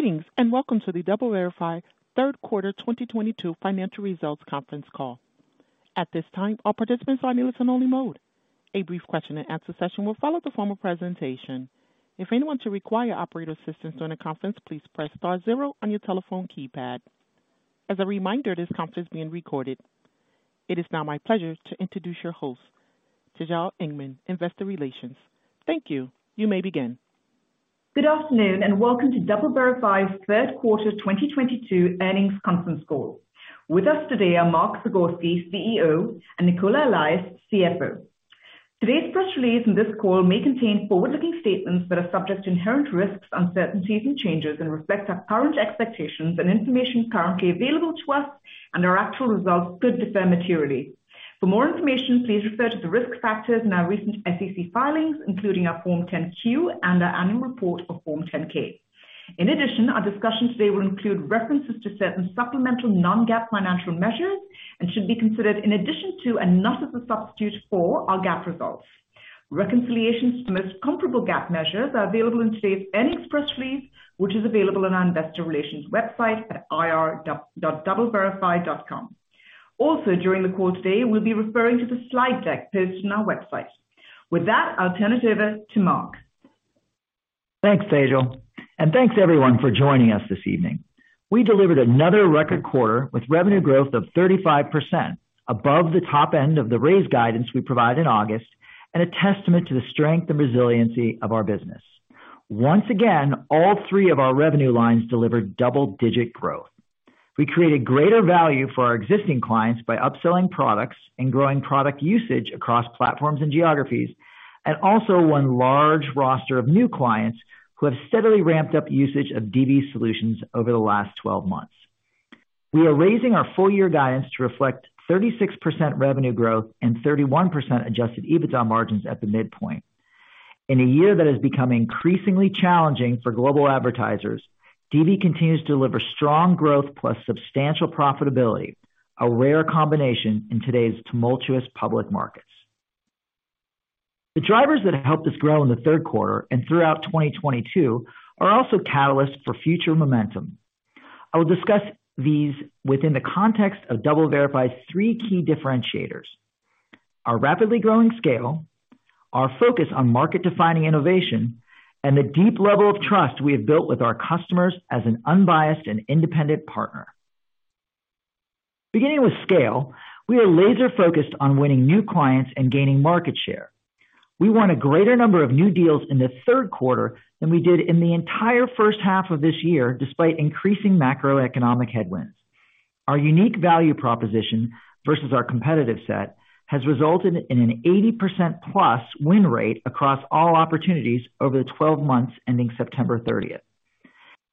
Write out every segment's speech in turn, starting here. Greetings, welcome to the DoubleVerify third quarter 2022 financial results conference call. At this time, all participants are in listen-only mode. A brief question-and-answer session will follow the formal presentation. If anyone should require operator assistance during the conference, please press star zero on your telephone keypad. As a reminder, this conference is being recorded. It is now my pleasure to introduce your host, Tejal Engman, Investor Relations. Thank you. You may begin. Good afternoon, and welcome to DoubleVerify's third quarter 2022 earnings conference call. With us today are Mark Zagorski, CEO, and Nicola Allais, CFO. Today's press release and this call may contain forward-looking statements that are subject to inherent risks, uncertainties, and changes and reflect our current expectations and information currently available to us, and our actual results could differ materially. For more information, please refer to the risk factors in our recent SEC filings, including our Form 10-Q and our annual report for Form 10-K. In addition, our discussion today will include references to certain supplemental non-GAAP financial measures and should be considered in addition to and not as a substitute for our GAAP results. Reconciliations to the most comparable GAAP measures are available in today's earnings press release, which is available on our investor relations website at ir.doubleverify.com. Also, during the call today, we'll be referring to the slide deck posted on our website. With that, I'll turn it over to Mark. Thanks, Tejal, and thanks, everyone, for joining us this evening. We delivered another record quarter with revenue growth of 35%, above the top end of the raised guidance we provided in August and a testament to the strength and resiliency of our business. Once again, all three of our revenue lines delivered double-digit growth. We created greater value for our existing clients by upselling products and growing product usage across platforms and geographies, and also won large roster of new clients who have steadily ramped up usage of DV solutions over the last 12 months. We are raising our full year guidance to reflect 36% revenue growth and 31% adjusted EBITDA margins at the midpoint. In a year that has become increasingly challenging for global advertisers, DV continues to deliver strong growth plus substantial profitability, a rare combination in today's tumultuous public markets. The drivers that have helped us grow in the third quarter and throughout 2022 are also catalysts for future momentum. I will discuss these within the context of DoubleVerify's three key differentiators: our rapidly growing scale, our focus on market-defining innovation, and the deep level of trust we have built with our customers as an unbiased and independent partner. Beginning with scale, we are laser-focused on winning new clients and gaining market share. We won a greater number of new deals in the third quarter than we did in the entire first half of this year, despite increasing macroeconomic headwinds. Our unique value proposition versus our competitive set has resulted in an 80%+ win rate across all opportunities over the 12 months ending September 30th.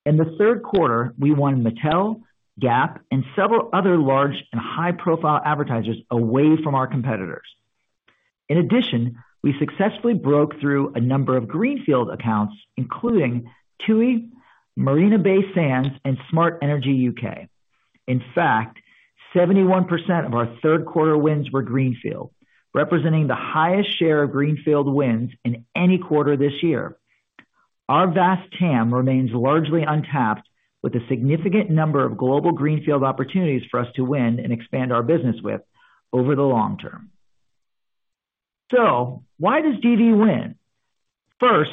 In the third quarter, we won Mattel, Gap, and several other large and high-profile advertisers away from our competitors. In addition, we successfully broke through a number of greenfield accounts, including TUI, Marina Bay Sands, and Smart Energy UK. In fact, 71% of our third quarter wins were greenfield, representing the highest share of greenfield wins in any quarter this year. Our vast TAM remains largely untapped with a significant number of global greenfield opportunities for us to win and expand our business with over the long term. Why does DV win? First,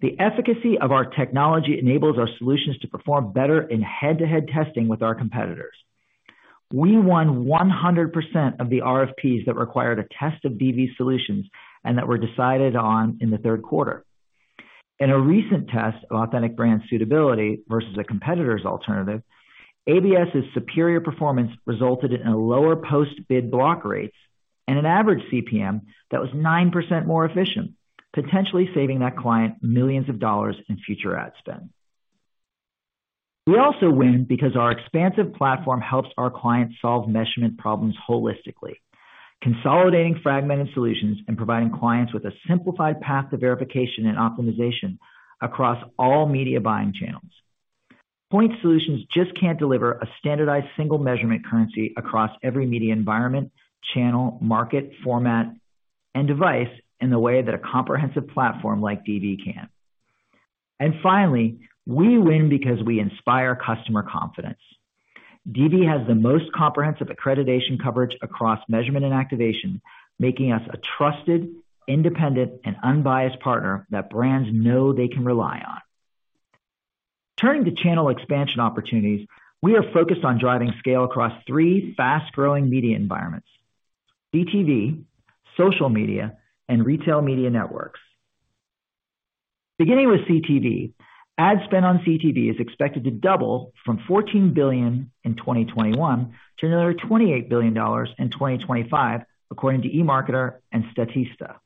the efficacy of our technology enables our solutions to perform better in head-to-head testing with our competitors. We won 100% of the RFPs that required a test of DV solutions and that were decided on in the third quarter. In a recent test of Authentic Brand Suitability versus a competitor's alternative, ABS's superior performance resulted in a lower post-bid block rates and an average CPM that was 9% more efficient, potentially saving that client millions of dollars in future ad spend. We also win because our expansive platform helps our clients solve measurement problems holistically, consolidating fragmented solutions and providing clients with a simplified path to verification and optimization across all media buying channels. Point solutions just can't deliver a standardized single measurement currency across every media environment, channel, market, format, and device in the way that a comprehensive platform like DV can. Finally, we win because we inspire customer confidence. DV has the most comprehensive accreditation coverage across measurement and activation, making us a trusted, independent, and unbiased partner that brands know they can rely on. Turning to channel expansion opportunities, we are focused on driving scale across three fast-growing media environments: CTV, social media, and retail media networks. Beginning with CTV, ad spend on CTV is expected to double from $14 billion in 2021 to another $28 billion in 2025, according to eMarketer and Statista.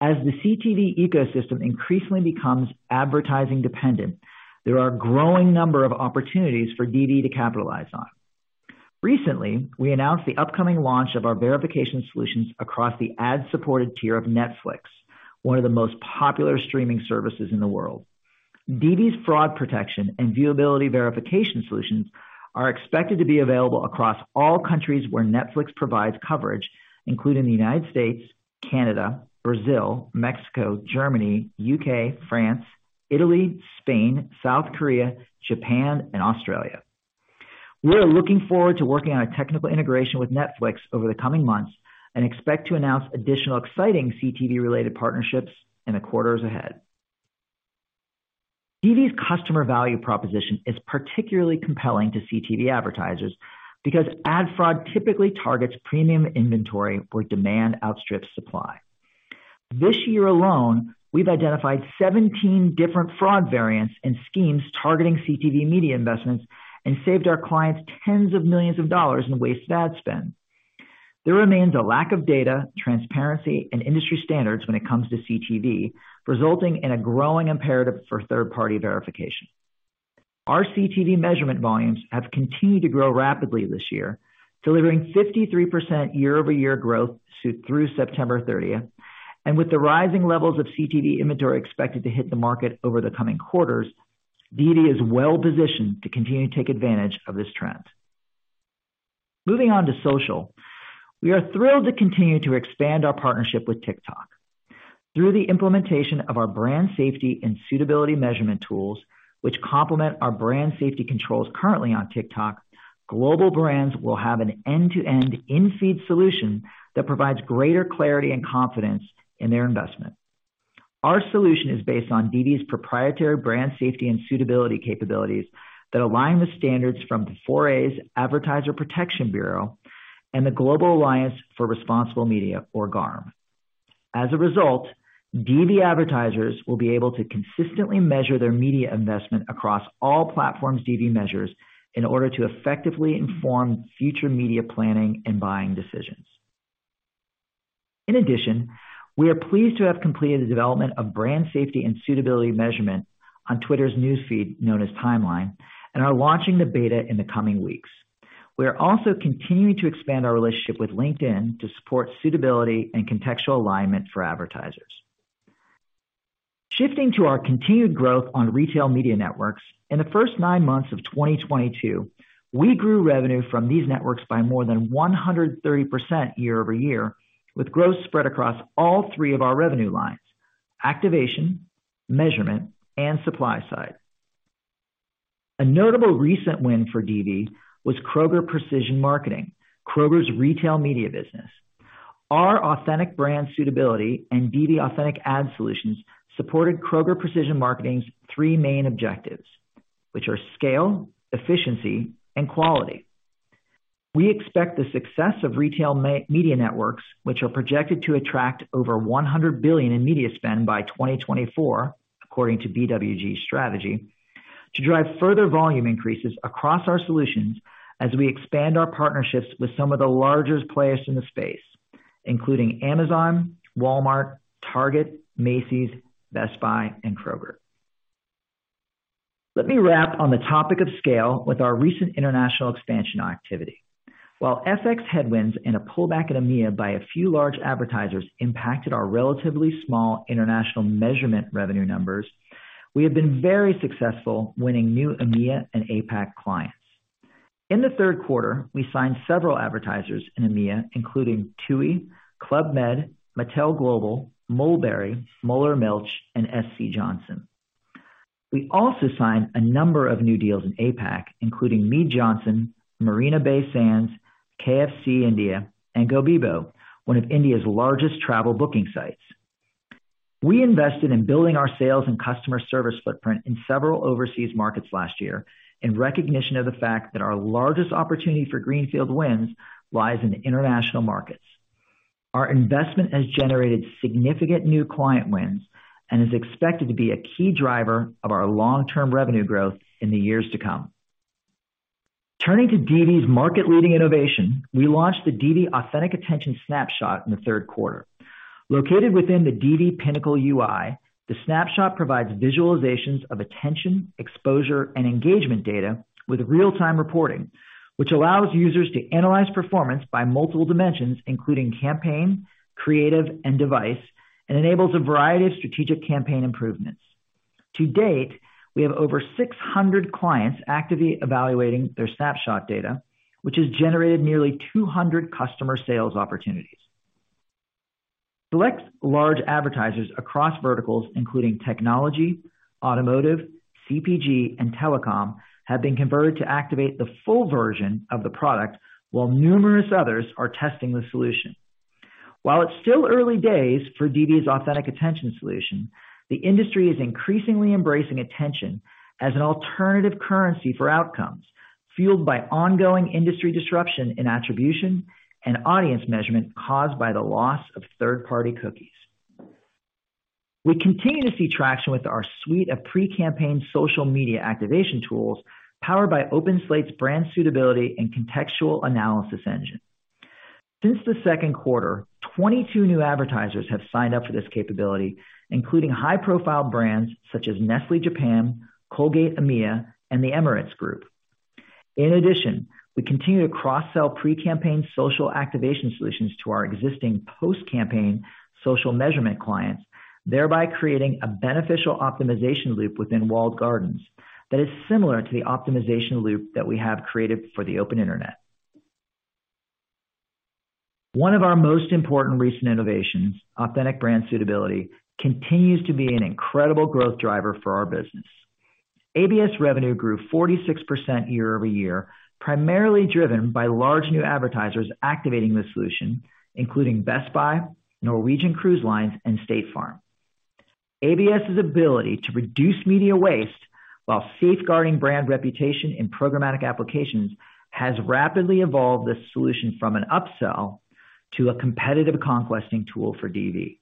As the CTV ecosystem increasingly becomes advertising dependent, there are a growing number of opportunities for DV to capitalize on. Recently, we announced the upcoming launch of our verification solutions across the ad-supported tier of Netflix, one of the most popular streaming services in the world. DV's fraud protection and viewability verification solutions are expected to be available across all countries where Netflix provides coverage, including the U.S., Canada, Brazil, Mexico, Germany, U.K., France, Italy, Spain, South Korea, Japan, and Australia. We're looking forward to working on a technical integration with Netflix over the coming months, and expect to announce additional exciting CTV-related partnerships in the quarters ahead. DV's customer value proposition is particularly compelling to CTV advertisers because ad fraud typically targets premium inventory where demand outstrips supply. This year alone, we've identified 17 different fraud variants and schemes targeting CTV media investments and saved our clients tens of millions of dollars in waste ad spend. There remains a lack of data, transparency, and industry standards when it comes to CTV, resulting in a growing imperative for third-party verification. Our CTV measurement volumes have continued to grow rapidly this year, delivering 53% year-over-year growth through September 30th. With the rising levels of CTV inventory expected to hit the market over the coming quarters, DV is well-positioned to continue to take advantage of this trend. Moving on to social. We are thrilled to continue to expand our partnership with TikTok. Through the implementation of our brand safety and suitability measurement tools, which complement our brand safety controls currently on TikTok, global brands will have an end-to-end in-feed solution that provides greater clarity and confidence in their investment. Our solution is based on DV's proprietary brand safety and suitability capabilities that align with standards from the 4A's Advertiser Protection Bureau and the Global Alliance for Responsible Media, or GARM. As a result, DV advertisers will be able to consistently measure their media investment across all platforms DV measures in order to effectively inform future media planning and buying decisions. In addition, we are pleased to have completed the development of brand safety and suitability measurement on Twitter's news feed, known as Timeline, and are launching the beta in the coming weeks. We are also continuing to expand our relationship with LinkedIn to support suitability and contextual alignment for advertisers. Shifting to our continued growth on retail media networks. In the first nine months of 2022, we grew revenue from these networks by more than 130% year-over-year, with growth spread across all three of our revenue lines: activation, measurement, and supply side. A notable recent win for DV was Kroger Precision Marketing, Kroger's retail media business. Our Authentic Brand Suitability and DV Authentic Ad solutions supported Kroger Precision Marketing's three main objectives, which are scale, efficiency, and quality. We expect the success of retail media networks, which are projected to attract over $100 billion in media spend by 2024, according to BWG Strategy, to drive further volume increases across our solutions as we expand our partnerships with some of the largest players in the space, including Amazon, Walmart, Target, Macy's, Best Buy, and Kroger. Let me wrap on the topic of scale with our recent international expansion activity. While FX headwinds and a pullback at EMEA by a few large advertisers impacted our relatively small international measurement revenue numbers, we have been very successful winning new EMEA and APAC clients. In the third quarter, we signed several advertisers in EMEA, including TUI, Club Med, Mattel Global, Mulberry, Müllermilch, and SC Johnson. We also signed a number of new deals in APAC, including Mead Johnson, Marina Bay Sands, KFC India, and Goibibo, one of India's largest travel booking sites. We invested in building our sales and customer service footprint in several overseas markets last year in recognition of the fact that our largest opportunity for greenfield wins lies in international markets. Our investment has generated significant new client wins and is expected to be a key driver of our long-term revenue growth in the years to come. Turning to DV's market-leading innovation, we launched the DV Authentic Attention Snapshot in the third quarter. Located within the DV Pinnacle UI, the snapshot provides visualizations of attention, exposure, and engagement data with real-time reporting, which allows users to analyze performance by multiple dimensions, including campaign, creative, and device, and enables a variety of strategic campaign improvements. To date, we have over 600 clients actively evaluating their snapshot data, which has generated nearly 200 customer sales opportunities. Select large advertisers across verticals, including technology, automotive, CPG, and telecom, have been converted to activate the full version of the product, while numerous others are testing the solution. While it's still early days for DV's Authentic Attention solution, the industry is increasingly embracing attention as an alternative currency for outcomes, fueled by ongoing industry disruption in attribution and audience measurement caused by the loss of third-party cookies. We continue to see traction with our suite of pre-campaign social media activation tools, powered by OpenSlate's brand suitability and contextual analysis engine. Since the second quarter, 22 new advertisers have signed up for this capability, including high-profile brands such as Nestlé Japan, Colgate EMEA, and The Emirates Group. In addition, we continue to cross-sell pre-campaign social activation solutions to our existing post-campaign social measurement clients, thereby creating a beneficial optimization loop within walled gardens that is similar to the optimization loop that we have created for the open internet. One of our most important recent innovations, Authentic Brand Suitability, continues to be an incredible growth driver for our business. ABS revenue grew 46% year-over-year, primarily driven by large new advertisers activating the solution, including Best Buy, Norwegian Cruise Line, and State Farm. ABS's ability to reduce media waste while safeguarding brand reputation in programmatic applications has rapidly evolved this solution from an upsell to a competitive conquesting tool for DV.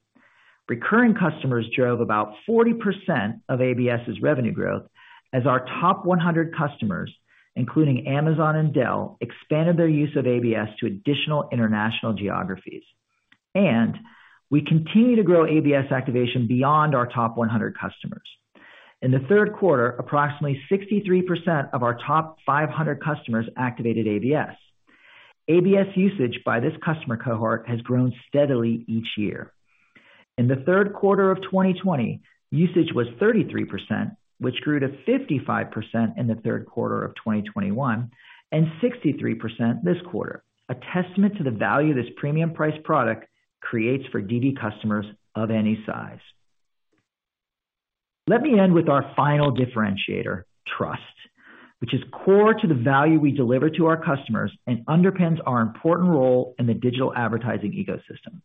Recurring customers drove about 40% of ABS's revenue growth as our top 100 customers, including Amazon and Dell, expanded their use of ABS to additional international geographies. We continue to grow ABS activation beyond our top 100 customers. In the third quarter, approximately 63% of our top 500 customers activated ABS. ABS usage by this customer cohort has grown steadily each year. In the third quarter of 2020, usage was 33%, which grew to 55% in the third quarter of 2021, and 63% this quarter, a testament to the value this premium priced product creates for DV customers of any size. Let me end with our final differentiator, trust, which is core to the value we deliver to our customers and underpins our important role in the digital advertising ecosystem.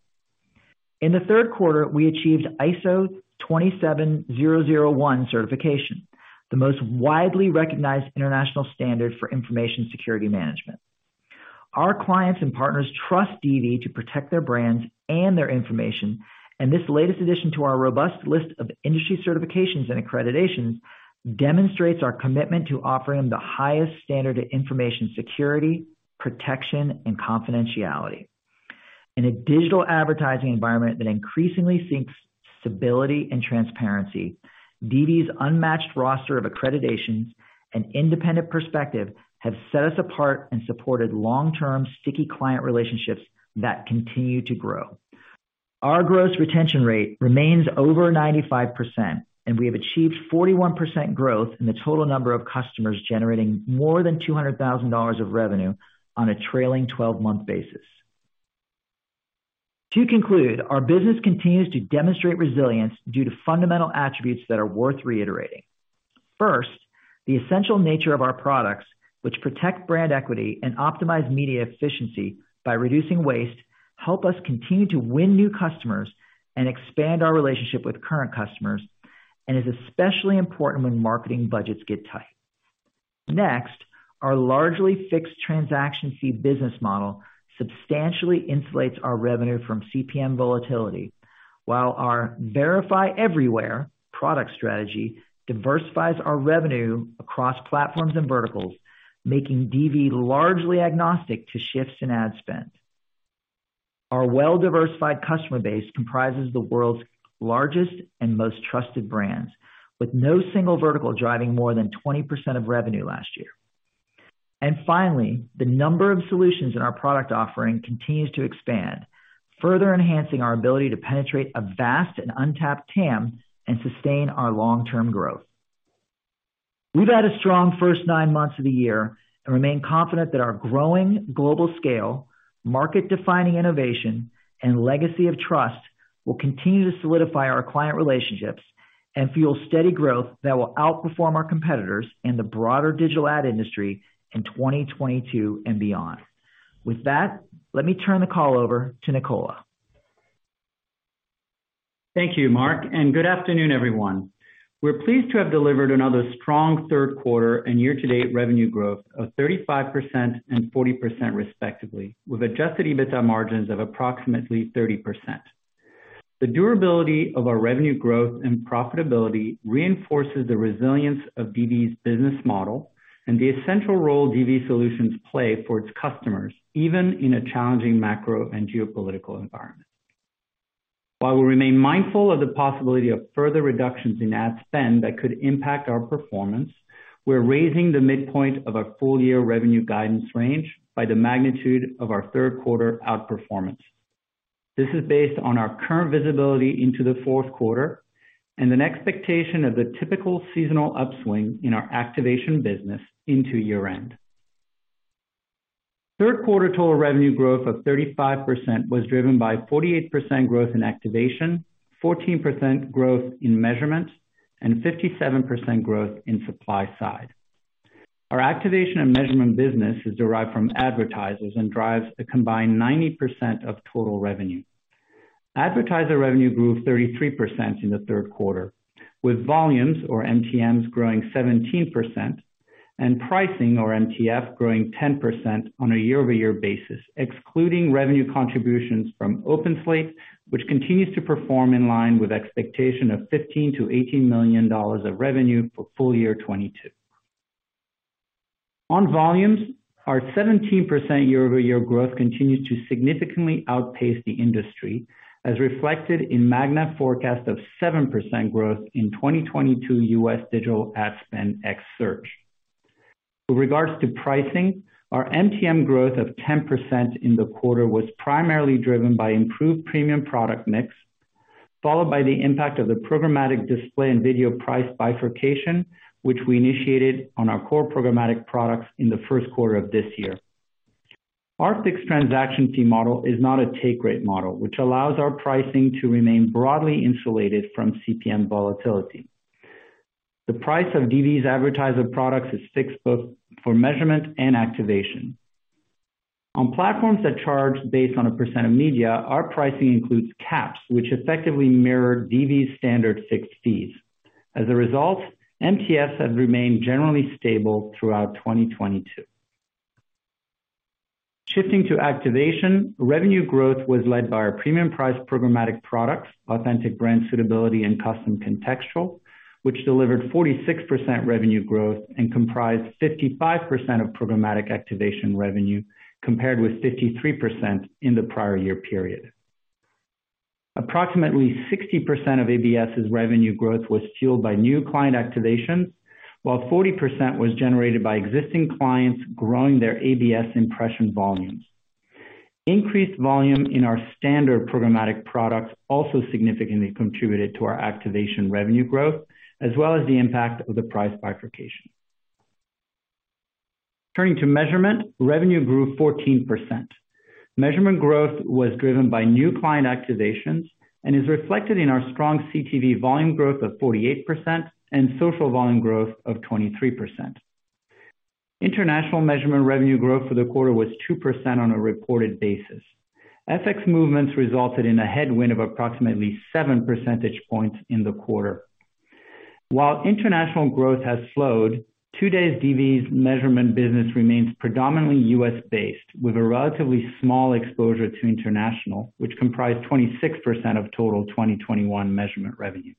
In the third quarter, we achieved ISO 27001 certification, the most widely recognized international standard for information security management. Our clients and partners trust DV to protect their brands and their information, and this latest addition to our robust list of industry certifications and accreditations demonstrates our commitment to offering the highest standard of information security, protection, and confidentiality. In a digital advertising environment that increasingly seeks stability and transparency, DV's unmatched roster of accreditations and independent perspective have set us apart and supported long-term sticky client relationships that continue to grow. Our gross retention rate remains over 95%, and we have achieved 41% growth in the total number of customers generating more than $200,000 of revenue on a trailing 12-month basis. To conclude, our business continues to demonstrate resilience due to fundamental attributes that are worth reiterating. First, the essential nature of our products, which protect brand equity and optimize media efficiency by reducing waste, help us continue to win new customers and expand our relationship with current customers, and is especially important when marketing budgets get tight. Next, our largely fixed transaction fee business model substantially insulates our revenue from CPM volatility, while our Verify Everywhere product strategy diversifies our revenue across platforms and verticals, making DV largely agnostic to shifts in ad spend. Our well-diversified customer base comprises the world's largest and most trusted brands, with no single vertical driving more than 20% of revenue last year. Finally, the number of solutions in our product offering continues to expand, further enhancing our ability to penetrate a vast and untapped TAM and sustain our long-term growth. We've had a strong first nine months of the year and remain confident that our growing global scale, market-defining innovation, and legacy of trust will continue to solidify our client relationships and fuel steady growth that will outperform our competitors in the broader digital ad industry in 2022 and beyond. With that, let me turn the call over to Nicola. Thank you, Mark. Good afternoon, everyone. We're pleased to have delivered another strong third quarter and year-to-date revenue growth of 35% and 40% respectively, with adjusted EBITDA margins of approximately 30%. The durability of our revenue growth and profitability reinforces the resilience of DV's business model and the essential role DV solutions play for its customers, even in a challenging macro and geopolitical environment. While we remain mindful of the possibility of further reductions in ad spend that could impact our performance, we're raising the midpoint of our full-year revenue guidance range by the magnitude of our third quarter outperformance. This is based on our current visibility into the fourth quarter and an expectation of the typical seasonal upswing in our activation business into year-end. Third quarter total revenue growth of 35% was driven by 48% growth in activation, 14% growth in measurement, and 57% growth in supply side. Our activation and measurement business is derived from advertisers and drives a combined 90% of total revenue. Advertiser revenue grew 33% in the third quarter, with volumes or MTMs growing 17% and pricing or MTF growing 10% on a year-over-year basis, excluding revenue contributions from OpenSlate, which continues to perform in line with expectation of $15 million-$18 million of revenue for full year 2022. On volumes, our 17% year-over-year growth continued to significantly outpace the industry, as reflected in Magna forecast of 7% growth in 2022 US digital ad spend ex search. With regards to pricing, our MTM growth of 10% in the quarter was primarily driven by improved premium product mix, followed by the impact of the programmatic display and video price bifurcation, which we initiated on our core programmatic products in the first quarter of this year. Our fixed transaction fee model is not a take rate model, which allows our pricing to remain broadly insulated from CPM volatility. The price of DV's advertiser products is fixed both for measurement and activation. On platforms that charge based on a percent of media, our pricing includes caps which effectively mirror DV's standard fixed fees. As a result, MTFs have remained generally stable throughout 2022. Shifting to activation, revenue growth was led by our premium price programmatic products, Authentic Brand Suitability and Custom Contextual, which delivered 46% revenue growth and comprised 55% of programmatic activation revenue, compared with 53% in the prior year period. Approximately 60% of ABS's revenue growth was fueled by new client activations, while 40% was generated by existing clients growing their ABS impression volumes. Increased volume in our standard programmatic products also significantly contributed to our activation revenue growth, as well as the impact of the price bifurcation. Turning to measurement, revenue grew 14%. Measurement growth was driven by new client activations and is reflected in our strong CTV volume growth of 48% and social volume growth of 23%. International measurement revenue growth for the quarter was 2% on a reported basis. FX movements resulted in a headwind of approximately 7 percentage points in the quarter. While international growth has slowed, to date, DV's measurement business remains predominantly US-based, with a relatively small exposure to international, which comprised 26% of total 2021 measurement revenue.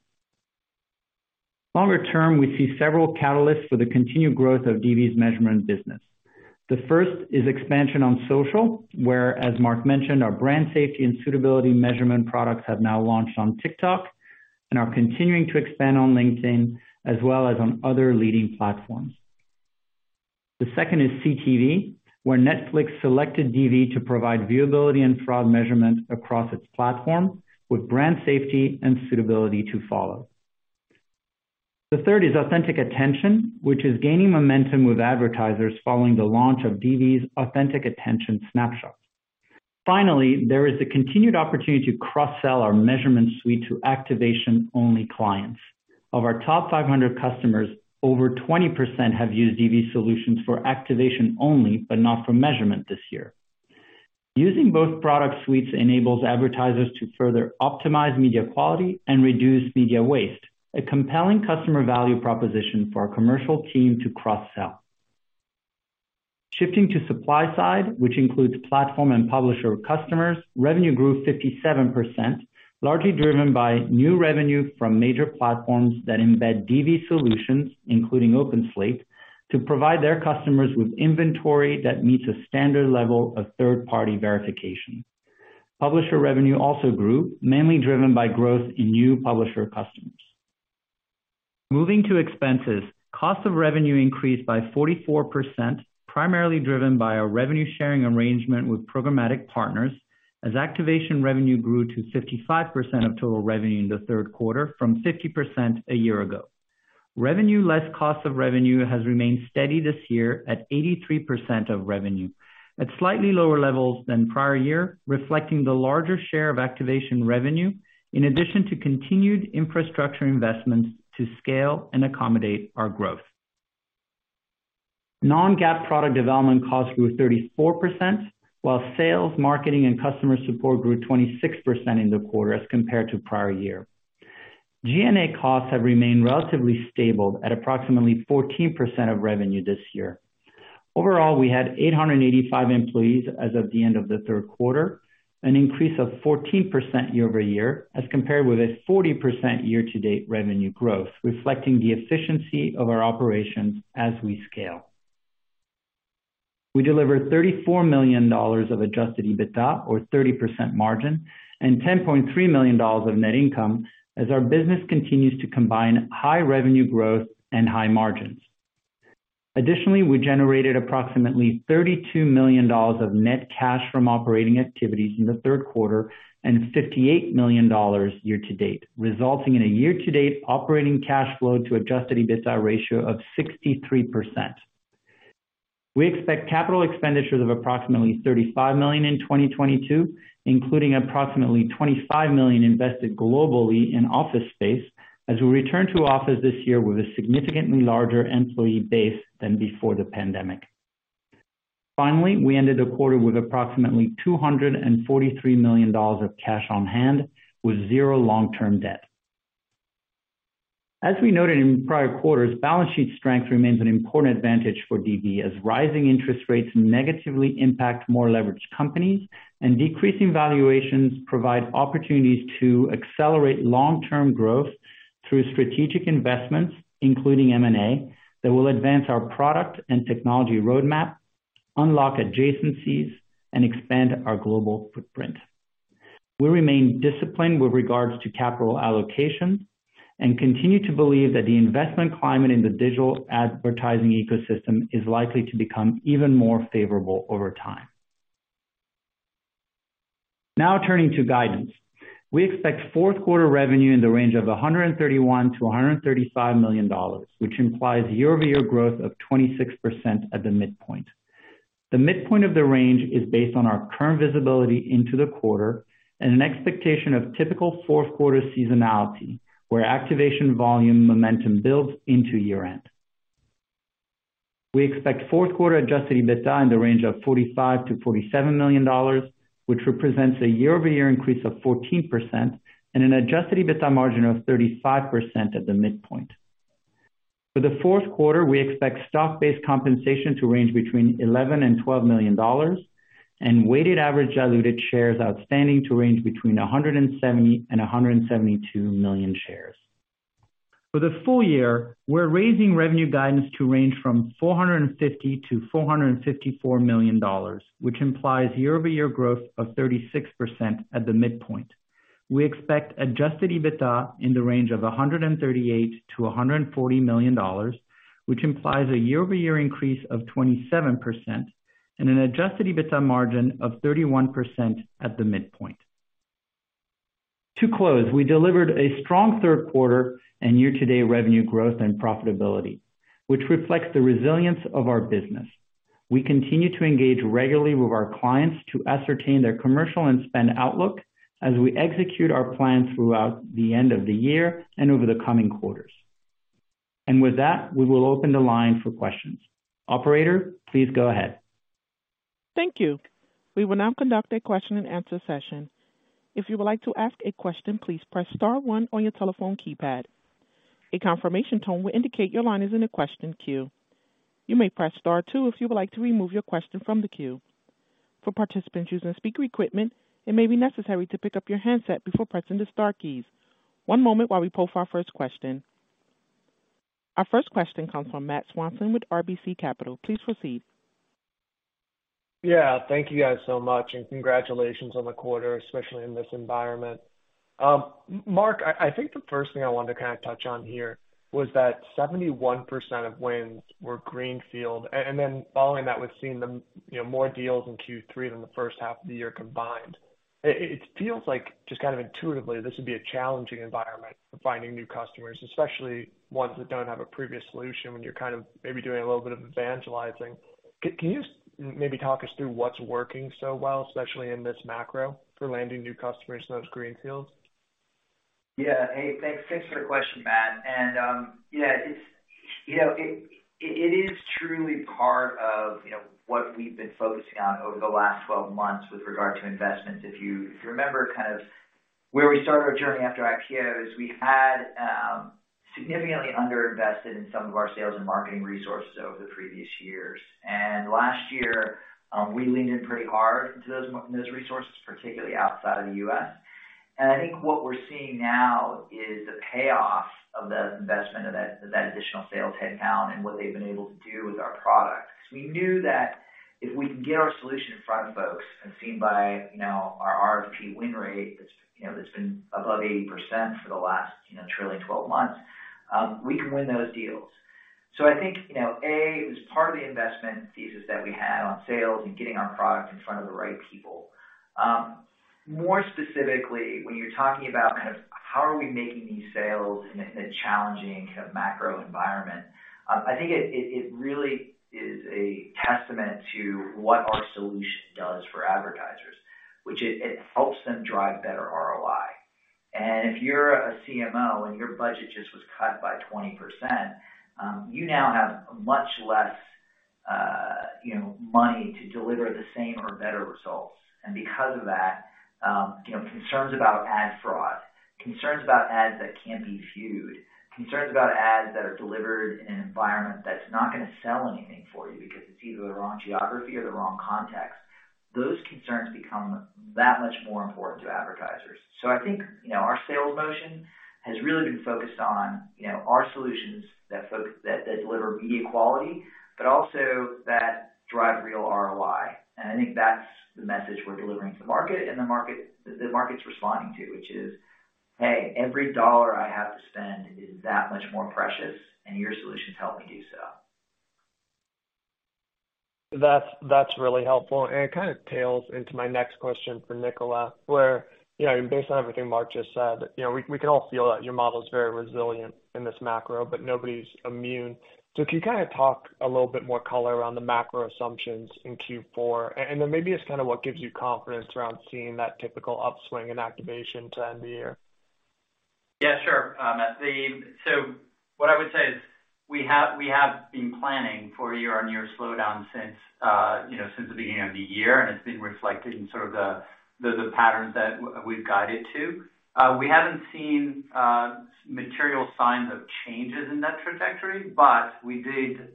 Longer term, we see several catalysts for the continued growth of DV's measurement business. The first is expansion on social, where, as Mark mentioned, our brand safety and suitability measurement products have now launched on TikTok and are continuing to expand on LinkedIn as well as on other leading platforms. The second is CTV, where Netflix selected DV to provide viewability and fraud measurement across its platform with brand safety and suitability to follow. The third is Authentic Attention, which is gaining momentum with advertisers following the launch of DV's Authentic Attention Snapshot. Finally, there is the continued opportunity to cross-sell our measurement suite to activation-only clients. Of our top 500 customers, over 20% have used DV solutions for activation only, but not for measurement this year. Using both product suites enables advertisers to further optimize media quality and reduce media waste, a compelling customer value proposition for our commercial team to cross-sell. Shifting to supply side, which includes platform and publisher customers, revenue grew 57%, largely driven by new revenue from major platforms that embed DV solutions, including OpenSlate, to provide their customers with inventory that meets a standard level of third-party verification. Publisher revenue also grew, mainly driven by growth in new publisher customers. Moving to expenses, cost of revenue increased by 44%, primarily driven by our revenue sharing arrangement with programmatic partners as activation revenue grew to 55% of total revenue in the third quarter from 50% a year ago. Revenue less cost of revenue has remained steady this year at 83% of revenue, at slightly lower levels than prior year, reflecting the larger share of activation revenue in addition to continued infrastructure investments to scale and accommodate our growth. Non-GAAP product development costs grew 34%, while sales, marketing and customer support grew 26% in the quarter as compared to prior year. G&A costs have remained relatively stable at approximately 14% of revenue this year. Overall, we had 885 employees as of the end of the third quarter, an increase of 14% year-over-year as compared with a 40% year-to-date revenue growth, reflecting the efficiency of our operations as we scale. We delivered $34 million of adjusted EBITDA, or 30% margin, and $10.3 million of net income as our business continues to combine high revenue growth and high margins. Additionally, we generated approximately $32 million of net cash from operating activities in the third quarter and $58 million year-to-date, resulting in a year-to-date operating cash flow to adjusted EBITDA ratio of 63%. We expect capital expenditures of approximately $35 million in 2022, including approximately $25 million invested globally in office space as we return to office this year with a significantly larger employee base than before the pandemic. Finally, we ended the quarter with approximately $243 million of cash on hand with zero long-term debt. As we noted in prior quarters, balance sheet strength remains an important advantage for DV as rising interest rates negatively impact more leveraged companies and decreasing valuations provide opportunities to accelerate long-term growth through strategic investments, including M&A, that will advance our product and technology roadmap, unlock adjacencies, and expand our global footprint. We remain disciplined with regards to capital allocation and continue to believe that the investment climate in the digital advertising ecosystem is likely to become even more favorable over time. Turning to guidance. We expect fourth quarter revenue in the range of $131 million-$135 million, which implies year-over-year growth of 26% at the midpoint. The midpoint of the range is based on our current visibility into the quarter and an expectation of typical fourth quarter seasonality, where activation volume momentum builds into year-end. We expect fourth quarter adjusted EBITDA in the range of $45 million-$47 million, which represents a year-over-year increase of 14% and an adjusted EBITDA margin of 35% at the midpoint. For the fourth quarter, we expect stock-based compensation to range between $11 million and $12 million and weighted average diluted shares outstanding to range between 170 million and 172 million shares. For the full year, we're raising revenue guidance to range from $450 million-$454 million, which implies year-over-year growth of 36% at the midpoint. We expect adjusted EBITDA in the range of $138 million-$140 million, which implies a year-over-year increase of 27% and an adjusted EBITDA margin of 31% at the midpoint. To close, we delivered a strong third quarter and year-to-date revenue growth and profitability, which reflects the resilience of our business. We continue to engage regularly with our clients to ascertain their commercial and spend outlook as we execute our plan throughout the end of the year and over the coming quarters. With that, we will open the line for questions. Operator, please go ahead. Thank you. We will now conduct a question-and-answer session. If you would like to ask a question, please press star one on your telephone keypad. A confirmation tone will indicate your line is in a question queue. You may press star two if you would like to remove your question from the queue. For participants using speaker equipment, it may be necessary to pick up your handset before pressing the star keys. One moment while we poll for our first question. Our first question comes from Matt Swanson with RBC Capital. Please proceed. Yeah. Thank you guys so much, and congratulations on the quarter, especially in this environment. Mark, I think the first thing I wanted to kind of touch on here was that 71% of wins were greenfield. Then following that with seeing them, you know, more deals in Q3 than the first half of the year combined. It feels like just kind of intuitively this would be a challenging environment for finding new customers, especially ones that don't have a previous solution when you're kind of maybe doing a little bit of evangelizing. Can you maybe talk us through what's working so well, especially in this macro, for landing new customers in those greenfields? Yeah. Hey, thanks. Thanks for the question, Matt. Yeah, it's, you know, it is truly part of, you know, what we've been focusing on over the last 12 months with regard to investments. If you, if you remember kind of where we started our journey after IPO, we had significantly underinvested in some of our sales and marketing resources over the previous years. Last year, we leaned in pretty hard into those resources, particularly outside of the U.S. I think what we're seeing now is the payoff of the investment of that additional sales headcount and what they've been able to do with our products. We knew that if we can get our solution in front of folks and seen by, you know, our RFP win rate that's, you know, that's been above 80% for the last, you know, trailing 12 months, we can win those deals. I think, you know, A, it was part of the investment thesis that we had on sales and getting our product in front of the right people. More specifically, when you're talking about kind of how are we making these sales in a, in a challenging kind of macro environment, I think it really is a testament to what our solution does for advertisers, which it helps them drive better ROI. If you're a CMO and your budget just was cut by 20%, you now have much less money to deliver the same or better results. Because of that, concerns about ad fraud, concerns about ads that can't be viewed, concerns about ads that are delivered in an environment that's not gonna sell anything for you because it's either the wrong geography or the wrong context, those concerns become that much more important to advertisers. I think, our sales motion has really been focused on our solutions that deliver media quality, but also that drive real ROI. I think that's the message we're delivering to market and the market's responding to, which is, "Hey, every dollar I have to spend is that much more precious, and your solutions help me do so. That's really helpful. It kind of tails into my next question for Nicola, where, you know, based on everything Mark just said, you know, we can all feel that your model is very resilient in this macro, but nobody's immune. Can you kind of talk a little bit more color around the macro assumptions in Q4, and then maybe it's kind of what gives you confidence around seeing that typical upswing in activation to end the year? Yeah, sure, Matt. What I would say is we have been planning for a year-on-year slowdown since, you know, since the beginning of the year, and it's been reflected in sort of the patterns that we've guided to. We haven't seen material signs of changes in that trajectory, we did,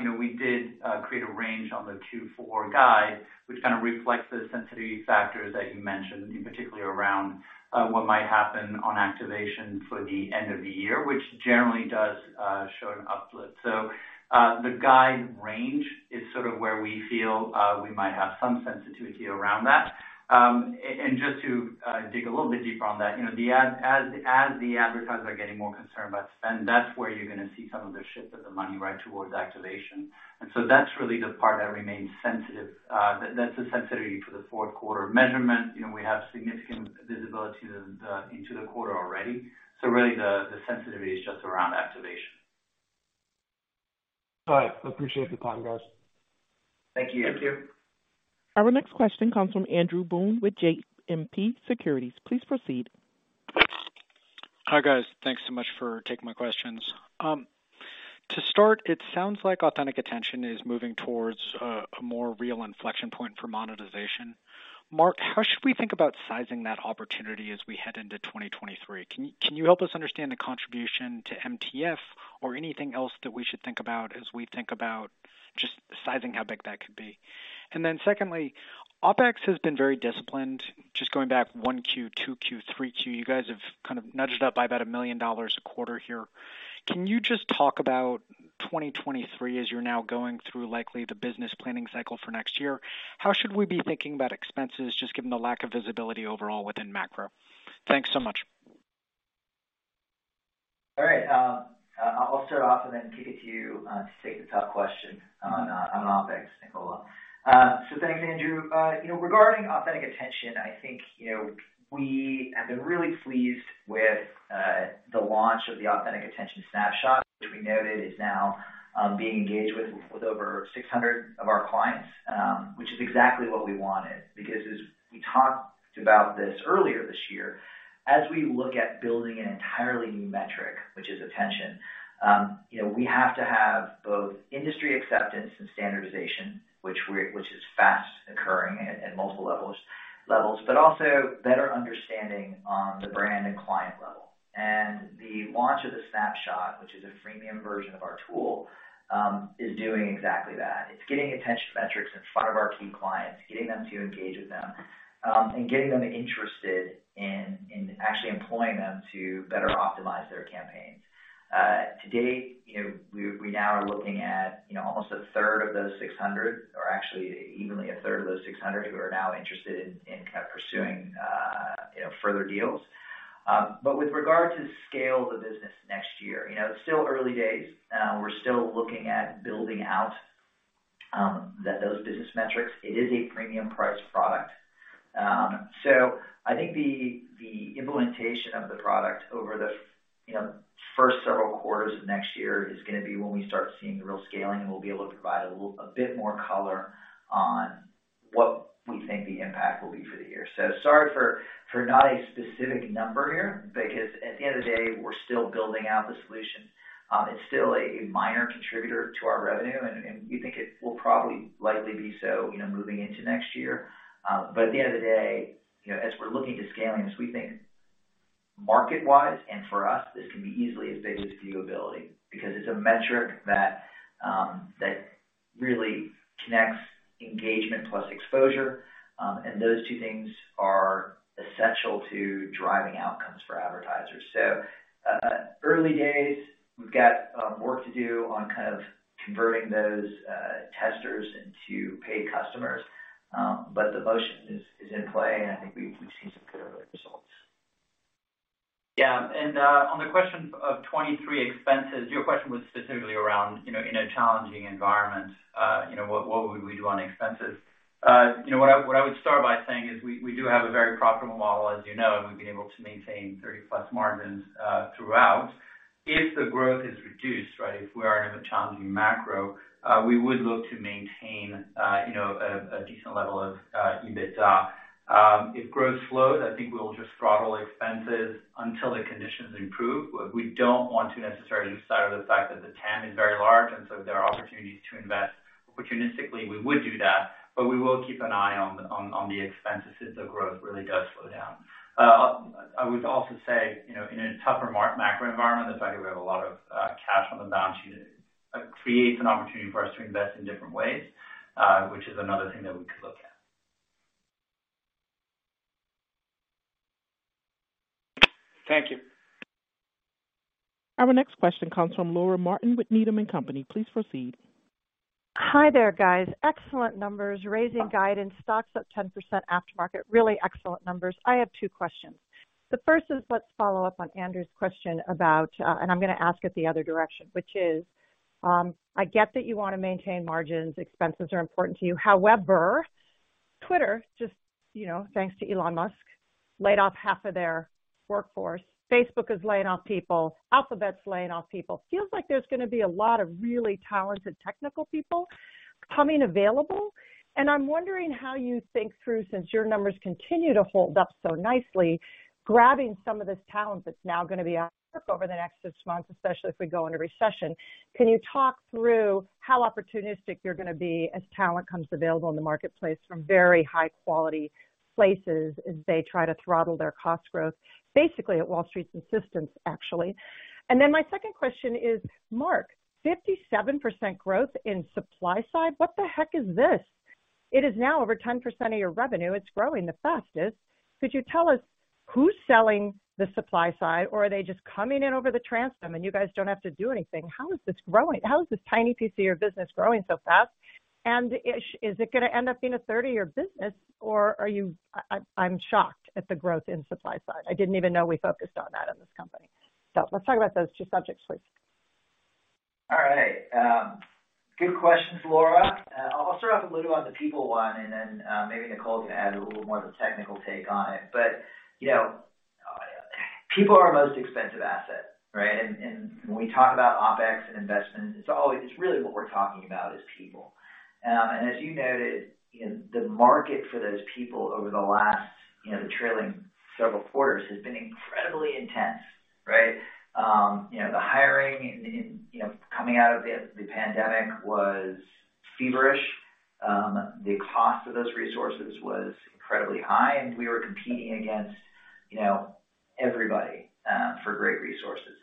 you know, we did create a range on the Q4 guide, which kind of reflects the sensitivity factors that you mentioned, particularly around. What might happen on activation for the end of the year, which generally does show an uplift. The guide range is sort of where we feel we might have some sensitivity around that. And just to dig a little bit deeper on that, you know, as the advertisers are getting more concerned about spend, that's where you're gonna see some of the shift of the money right towards activation. That's really the part that remains sensitive. That's the sensitivity for the fourth quarter measurement. You know, we have significant visibility to the into the quarter already. Really, the sensitivity is just around activation. All right. Appreciate the time, guys. Thank you. Thank you. Our next question comes from Andrew Boone with JMP Securities. Please proceed. Hi, guys. Thanks so much for taking my questions. To start, it sounds like Authentic Attention is moving towards a more real inflection point for monetization. Mark, how should we think about sizing that opportunity as we head into 2023? Can you help us understand the contribution to MTF or anything else that we should think about as we think about just sizing how big that could be? Secondly, OpEx has been very disciplined. Just going back 1Q, 2Q, 3Q, you guys have kind of nudged up by about $1 million a quarter here. Can you just talk about 2023 as you're now going through likely the business planning cycle for next year? How should we be thinking about expenses just given the lack of visibility overall within macro? Thanks so much. All right. I'll start off and then kick it to you to take the top question on OpEx, Nicola. Thanks, Andrew. You know, regarding Authentic Attention, I think, you know, we have been really pleased with the launch of the Authentic Attention Snapshot, which we noted is now being engaged with over 600 of our clients, which is exactly what we wanted. Because as we talked about this earlier this year, as we look at building an entirely new metric, which is attention, you know, we have to have both industry acceptance and standardization, which is fast occurring at multiple levels, but also better understanding on the brand and client level. The launch of the Snapshot, which is a freemium version of our tool, is doing exactly that. It's getting attention metrics in front of our key clients, getting them to engage with them, and getting them interested in actually employing them to better optimize their campaigns. To date, you know, we now are looking at, you know, almost 1/3 of those 600 or actually evenly 1/3 of those 600 who are now interested in kind of pursuing, you know, further deals. With regard to scale the business next year, you know, it's still early days. We're still looking at building out those business metrics. It is a premium priced product. I think the implementation of the product over the you know, first several quarters of next year is going to be when we start seeing the real scaling, and we'll be able to provide a bit more color on what we think the impact will be for the year. Sorry for not a specific number here, because at the end of the day, we're still building out the solution. It's still a minor contributor to our revenue, and we think it will probably likely be so, you know, moving into next year. At the end of the day, you know, as we're looking to scaling this, we think market-wise, and for us, this can be easily as big as viewability because it's a metric that really connects engagement plus exposure. Those two things are essential to driving outcomes for advertisers. Early days, we've got work to do on kind of converting those testers into paid customers. The motion is in play, and I think we've seen some good early results. Yeah. On the question of 2023 expenses, your question was specifically around, you know, in a challenging environment, you know, what would we do on expenses? You know what I would start by saying is we do have a very profitable model, as you know. We've been able to maintain 30%+ margins throughout. If the growth is reduced, right? If we are in a challenging macro, we would look to maintain, you know, a decent level of EBITDA. If growth slows, I think we'll just throttle expenses until the conditions improve. We don't want to necessarily lose sight of the fact that the TAM is very large. If there are opportunities to invest opportunistically, we would do that. We will keep an eye on the expenses if the growth really does slow down. I would also say, you know, in a tougher macro environment, the fact that we have a lot of cash on the balance sheet creates an opportunity for us to invest in different ways, which is another thing that we could look at. Thank you. Our next question comes from Laura Martin with Needham & Company. Please proceed. Hi there, guys. Excellent numbers. Raising guidance, stocks up 10% aftermarket. Really excellent numbers. I have two questions. The first is, let's follow up on Andrew's question about, and I'm gonna ask it the other direction, which is, I get that you wanna maintain margins. Expenses are important to you. However, Twitter, just, you know, thanks to Elon Musk, laid off half of their workforce. Facebook is laying off people. Alphabet's laying off people. Feels like there's gonna be a lot of really talented technical people coming available, and I'm wondering how you think through, since your numbers continue to hold up so nicely, grabbing some of this talent that's now gonna be out of work over the next six months, especially if we go into recession. Can you talk through how opportunistic you're gonna be as talent comes available in the marketplace from very high quality places as they try to throttle their cost growth, basically at Wall Street's insistence, actually? My second question is, Mark, 57% growth in supply side? What the heck is this? It is now over 10% of your revenue. It's growing the fastest. Could you tell us who's selling the supply side, or are they just coming in over the transom and you guys don't have to do anything? How is this growing? How is this tiny piece of your business growing so fast? Is it gonna end up being a third of your business or are you? I'm shocked at the growth in supply side. I didn't even know we focused on that in this company. Let's talk about those two subjects, please. All right. Good questions, Laura. I'll start off a little on the people one, and then maybe Nicola can add a little more of the technical take on it. You know, people are our most expensive asset, right? And when we talk about OpEx and investment, it's really what we're talking about is people. And as you noted, you know, the market for those people over the last, you know, the trailing several quarters has been incredibly intense, right? You know, the hiring in coming out of the pandemic was feverish. The cost of those resources was incredibly high, and we were competing against, you know, everybody, for great resources.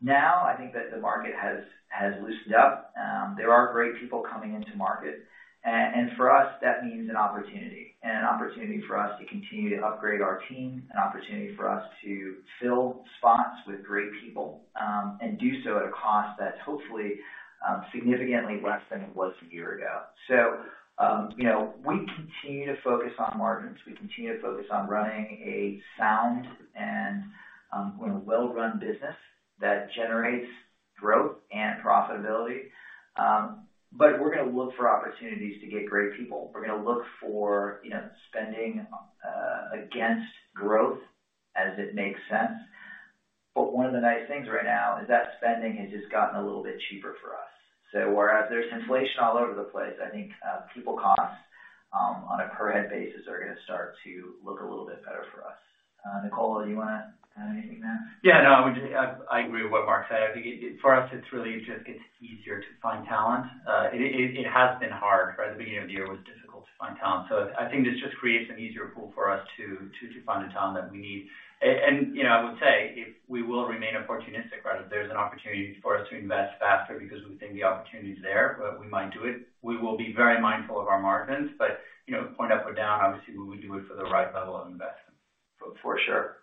Now, I think that the market has loosened up. There are great people coming into market. For us, that means an opportunity and an opportunity for us to continue to upgrade our team, an opportunity for us to fill spots with great people, and do so at a cost that's hopefully significantly less than it was a year ago. You know, we continue to focus on margins. We continue to focus on running a sound and well-run business that generates growth and profitability. We're gonna look for opportunities to get great people. We're gonna look for, you know, spending against growth as it makes sense. One of the nice things right now is that spending has just gotten a little bit cheaper for us. Whereas there's inflation all over the place, I think people costs on a per head basis are gonna start to look a little bit better for us. Nicola, do you wanna add anything there? Yeah, no, I would I agree with what Mark said. I think it for us, it's really just gets easier to find talent. It has been hard. Right at the beginning of the year, it was difficult to find talent. I think this just creates an easier pool for us to find the talent that we need. You know, I would say if we will remain opportunistic. If there's an opportunity for us to invest faster because we think the opportunity is there, we might do it. We will be very mindful of our margins, but, you know, point up or down, obviously, we would do it for the right level of investment. For sure.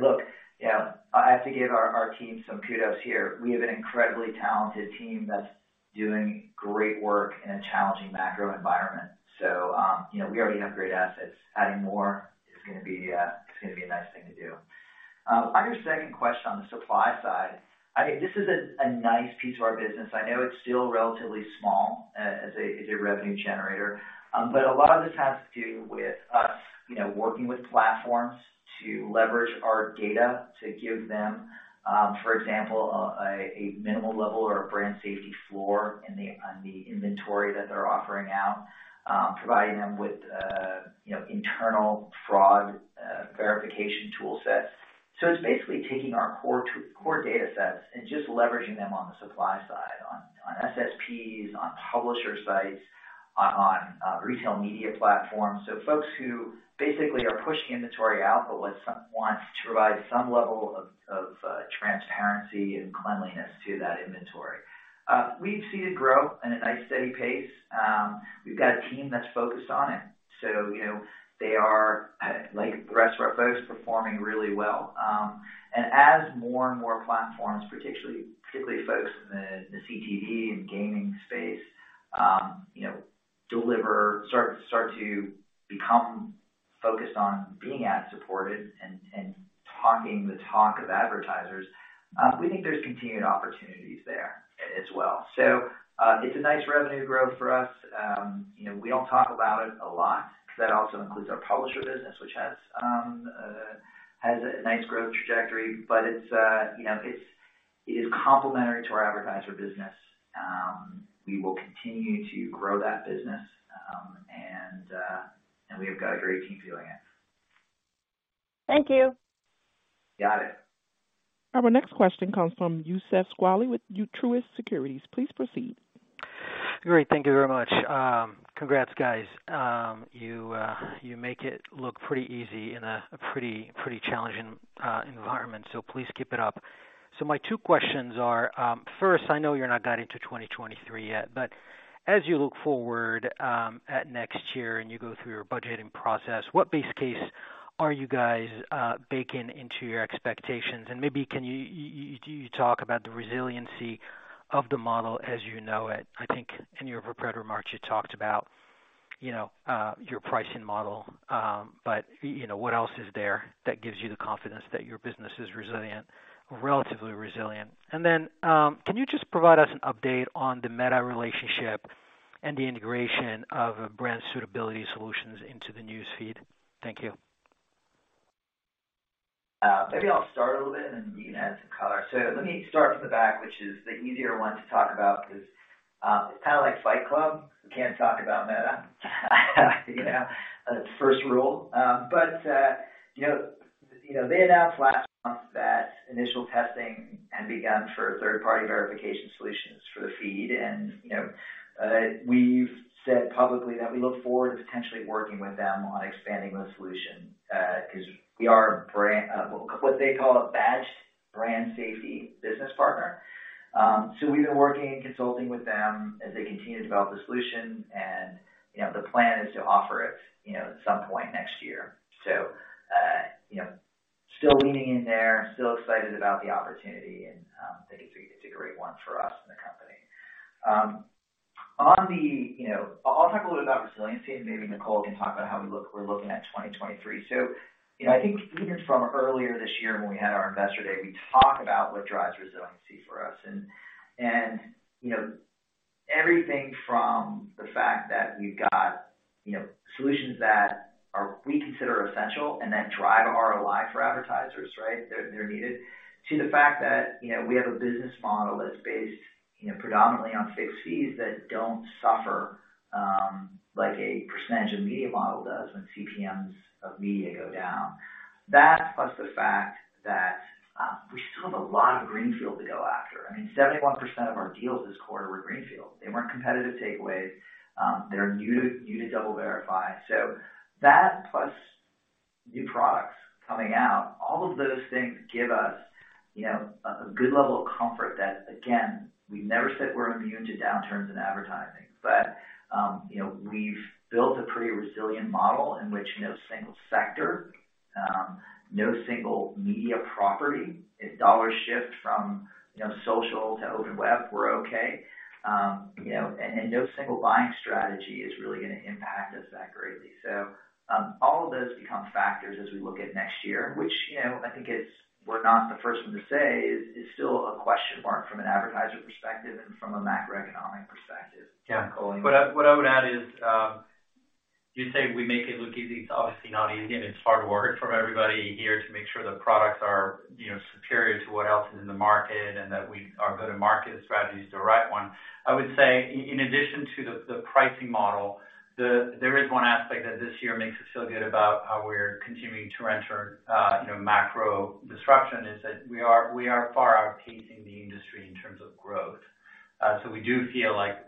Look, you know, I have to give our team some kudos here. We have an incredibly talented team that's doing great work in a challenging macro environment. You know, we already have great assets. Adding more is gonna be, is gonna be a nice thing to do. On your second question, on the supply side, I think this is a nice piece of our business. I know it's still relatively small, as a revenue generator. A lot of this has to do with us, you know, working with platforms to leverage our data to give them, for example, a minimal level or a brand safety floor on the inventory that they're offering out, providing them with, you know, internal fraud, verification tool sets. it's basically taking our core core data sets and just leveraging them on the supply side, on SSPs, on publisher sites, on retail media platforms. folks who basically are pushing inventory out, but want to provide some level of transparency and cleanliness to that inventory. We've seen it grow at a nice, steady pace. We've got a team that's focused on it. you know, they are like the rest of our folks, performing really well. and as more and more platforms, particularly folks in the CTV and gaming space, you know, deliver, start to become focused on being ad supported and talking the talk of advertisers, we think there's continued opportunities there as well. it's a nice revenue growth for us. You know, we don't talk about it a lot because that also includes our publisher business, which has a nice growth trajectory. It's, you know, it is complementary to our advertiser business. We will continue to grow that business. We have got a great team doing it. Thank you. Got it. Our next question comes from Youssef Squali with Truist Securities. Please proceed. Great. Thank you very much. Congrats, guys. You make it look pretty easy in a pretty challenging environment, so please keep it up. My two questions are, first, I know you're not guiding to 2023 yet, but as you look forward at next year and you go through your budgeting process, what base case are you guys baking into your expectations? Maybe can you talk about the resiliency of the model as you know it? I think in your prepared remarks, you talked about, you know, your pricing model, but, you know, what else is there that gives you the confidence that your business is resilient, relatively resilient? Can you just provide us an update on the Meta relationship and the integration of Brand Suitability solutions into the News Feed? Thank you. Maybe I'll start a little bit, then you can add some color. Let me start from the back, which is the easier one to talk about because it's kind of like Fight Club. We can't talk about Meta. That's first rule. You know, you know, they announced last month that initial testing had begun for third-party verification solutions for the feed. You know, we've said publicly that we look forward to potentially working with them on expanding those solutions because we are a brand, what they call a badged brand safety business partner. We've been working and consulting with them as they continue to develop the solution and, you know, the plan is to offer it, you know, at some point next year. You know, still leaning in there, still excited about the opportunity and think it's a great one for us and the company. You know, I'll talk a little about resiliency, and maybe Nicola can talk about how we're looking at 2023. You know, I think even from earlier this year when we had our investor day, we talk about what drives resiliency for us and, you know, everything from the fact that we've got, you know, solutions that are we consider essential and that drive ROI for advertisers, right? They're needed. To the fact that, you know, we have a business model that's based, you know, predominantly on fixed fees that don't suffer like a percentage of media model does when CPMs of media go down. That, plus the fact that, we still have a lot of greenfield to go after. I mean, 71% of our deals this quarter were greenfield. They weren't competitive takeaways. They're new to DoubleVerify. That plus new products coming out, all of those things give us, you know, a good level of comfort that, again, we never said we're immune to downturns in advertising. We've built a pretty resilient model in which no single sector, no single media property. If dollars shift from, you know, social to open web, we're okay. You know, and no single buying strategy is really gonna impact us that greatly. All of those become factors as we look at next year, which, you know, I think we're not the first one to say is still a question mark from an advertiser perspective and from a macroeconomic perspective. Yeah, Nicola, anything? What I would add is, you say we make it look easy. It's obviously not easy, and it's hard work from everybody here to make sure the products are, you know, superior to what else is in the market and that our go-to-market strategy is the right one. I would say in addition to the pricing model, the there is one aspect that this year makes us feel good about how we're continuing to enter, you know, macro disruption, is that we are far outpacing the industry in terms of growth. We do feel like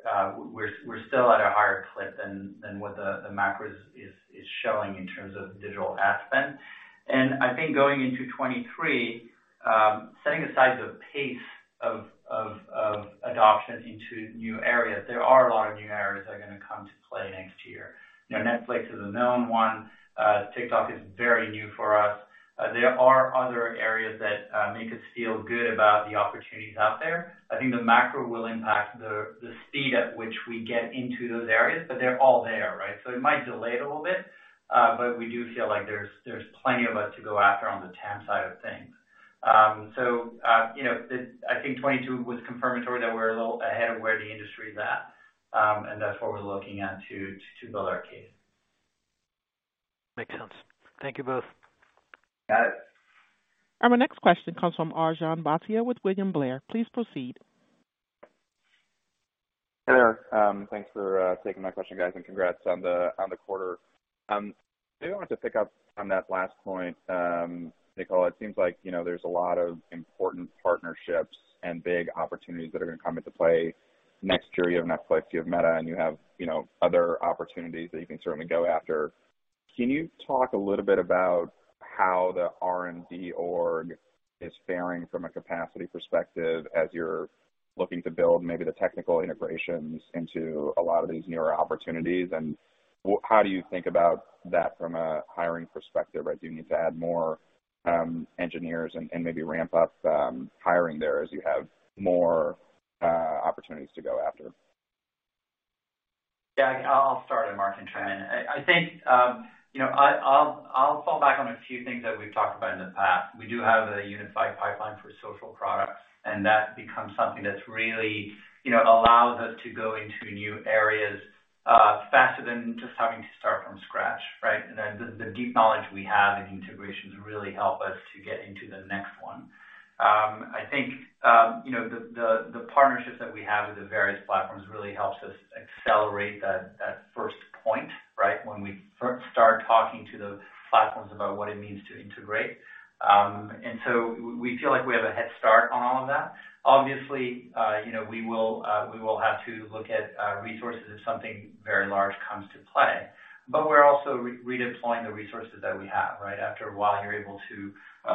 we're still at a higher clip than what the macro is showing in terms of digital ad spend. I think going into 2023, setting aside the pace of adoption into new areas, there are a lot of new areas that are going to come to play next year. You know, Netflix is a known one. TikTok is very new for us. There are other areas that make us feel good about the opportunities out there. I think the macro will impact the speed at which we get into those areas, but they're all there, right? It might delay it a little bit, but we do feel like there's plenty of it to go after on the TAM side of things. You know, I think 2022 was confirmatory that we're a little ahead of where the industry is at. That's what we're looking at to build our case. Makes sense. Thank you both. Got it. Our next question comes from Arjun Bhatia with William Blair. Please proceed. Hey there. Thanks for taking my question, guys, and congrats on the quarter. Maybe I wanted to pick up on that last point, Nicola. It seems like, you know, there's a lot of important partnerships and big opportunities that are gonna come into play next year. You have Netflix, you have Meta, and you have, you know, other opportunities that you can certainly go after. Can you talk a little bit about how the R&D org is faring from a capacity perspective as you're looking to build maybe the technical integrations into a lot of these newer opportunities? How do you think about that from a hiring perspective as you need to add more engineers and maybe ramp up hiring there as you have more opportunities to go after? Yeah, I'll start and Mark can chime in. I think, you know, I'll fall back on a few things that we've talked about in the past. We do have a unified pipeline for social products, and that becomes something that's really, you know, allows us to go into new areas, faster than just having to start from scratch, right? The deep knowledge we have in integrations really help us to get into the next one. I think, you know, the partnerships that we have with the various platforms really helps us accelerate that first point, right? When we start talking to the platforms about what it means to integrate. We feel like we have a head start on all of that. Obviously, we will have to look at resources if something very large comes to play. We're also redeploying the resources that we have, right? After a while, you're able to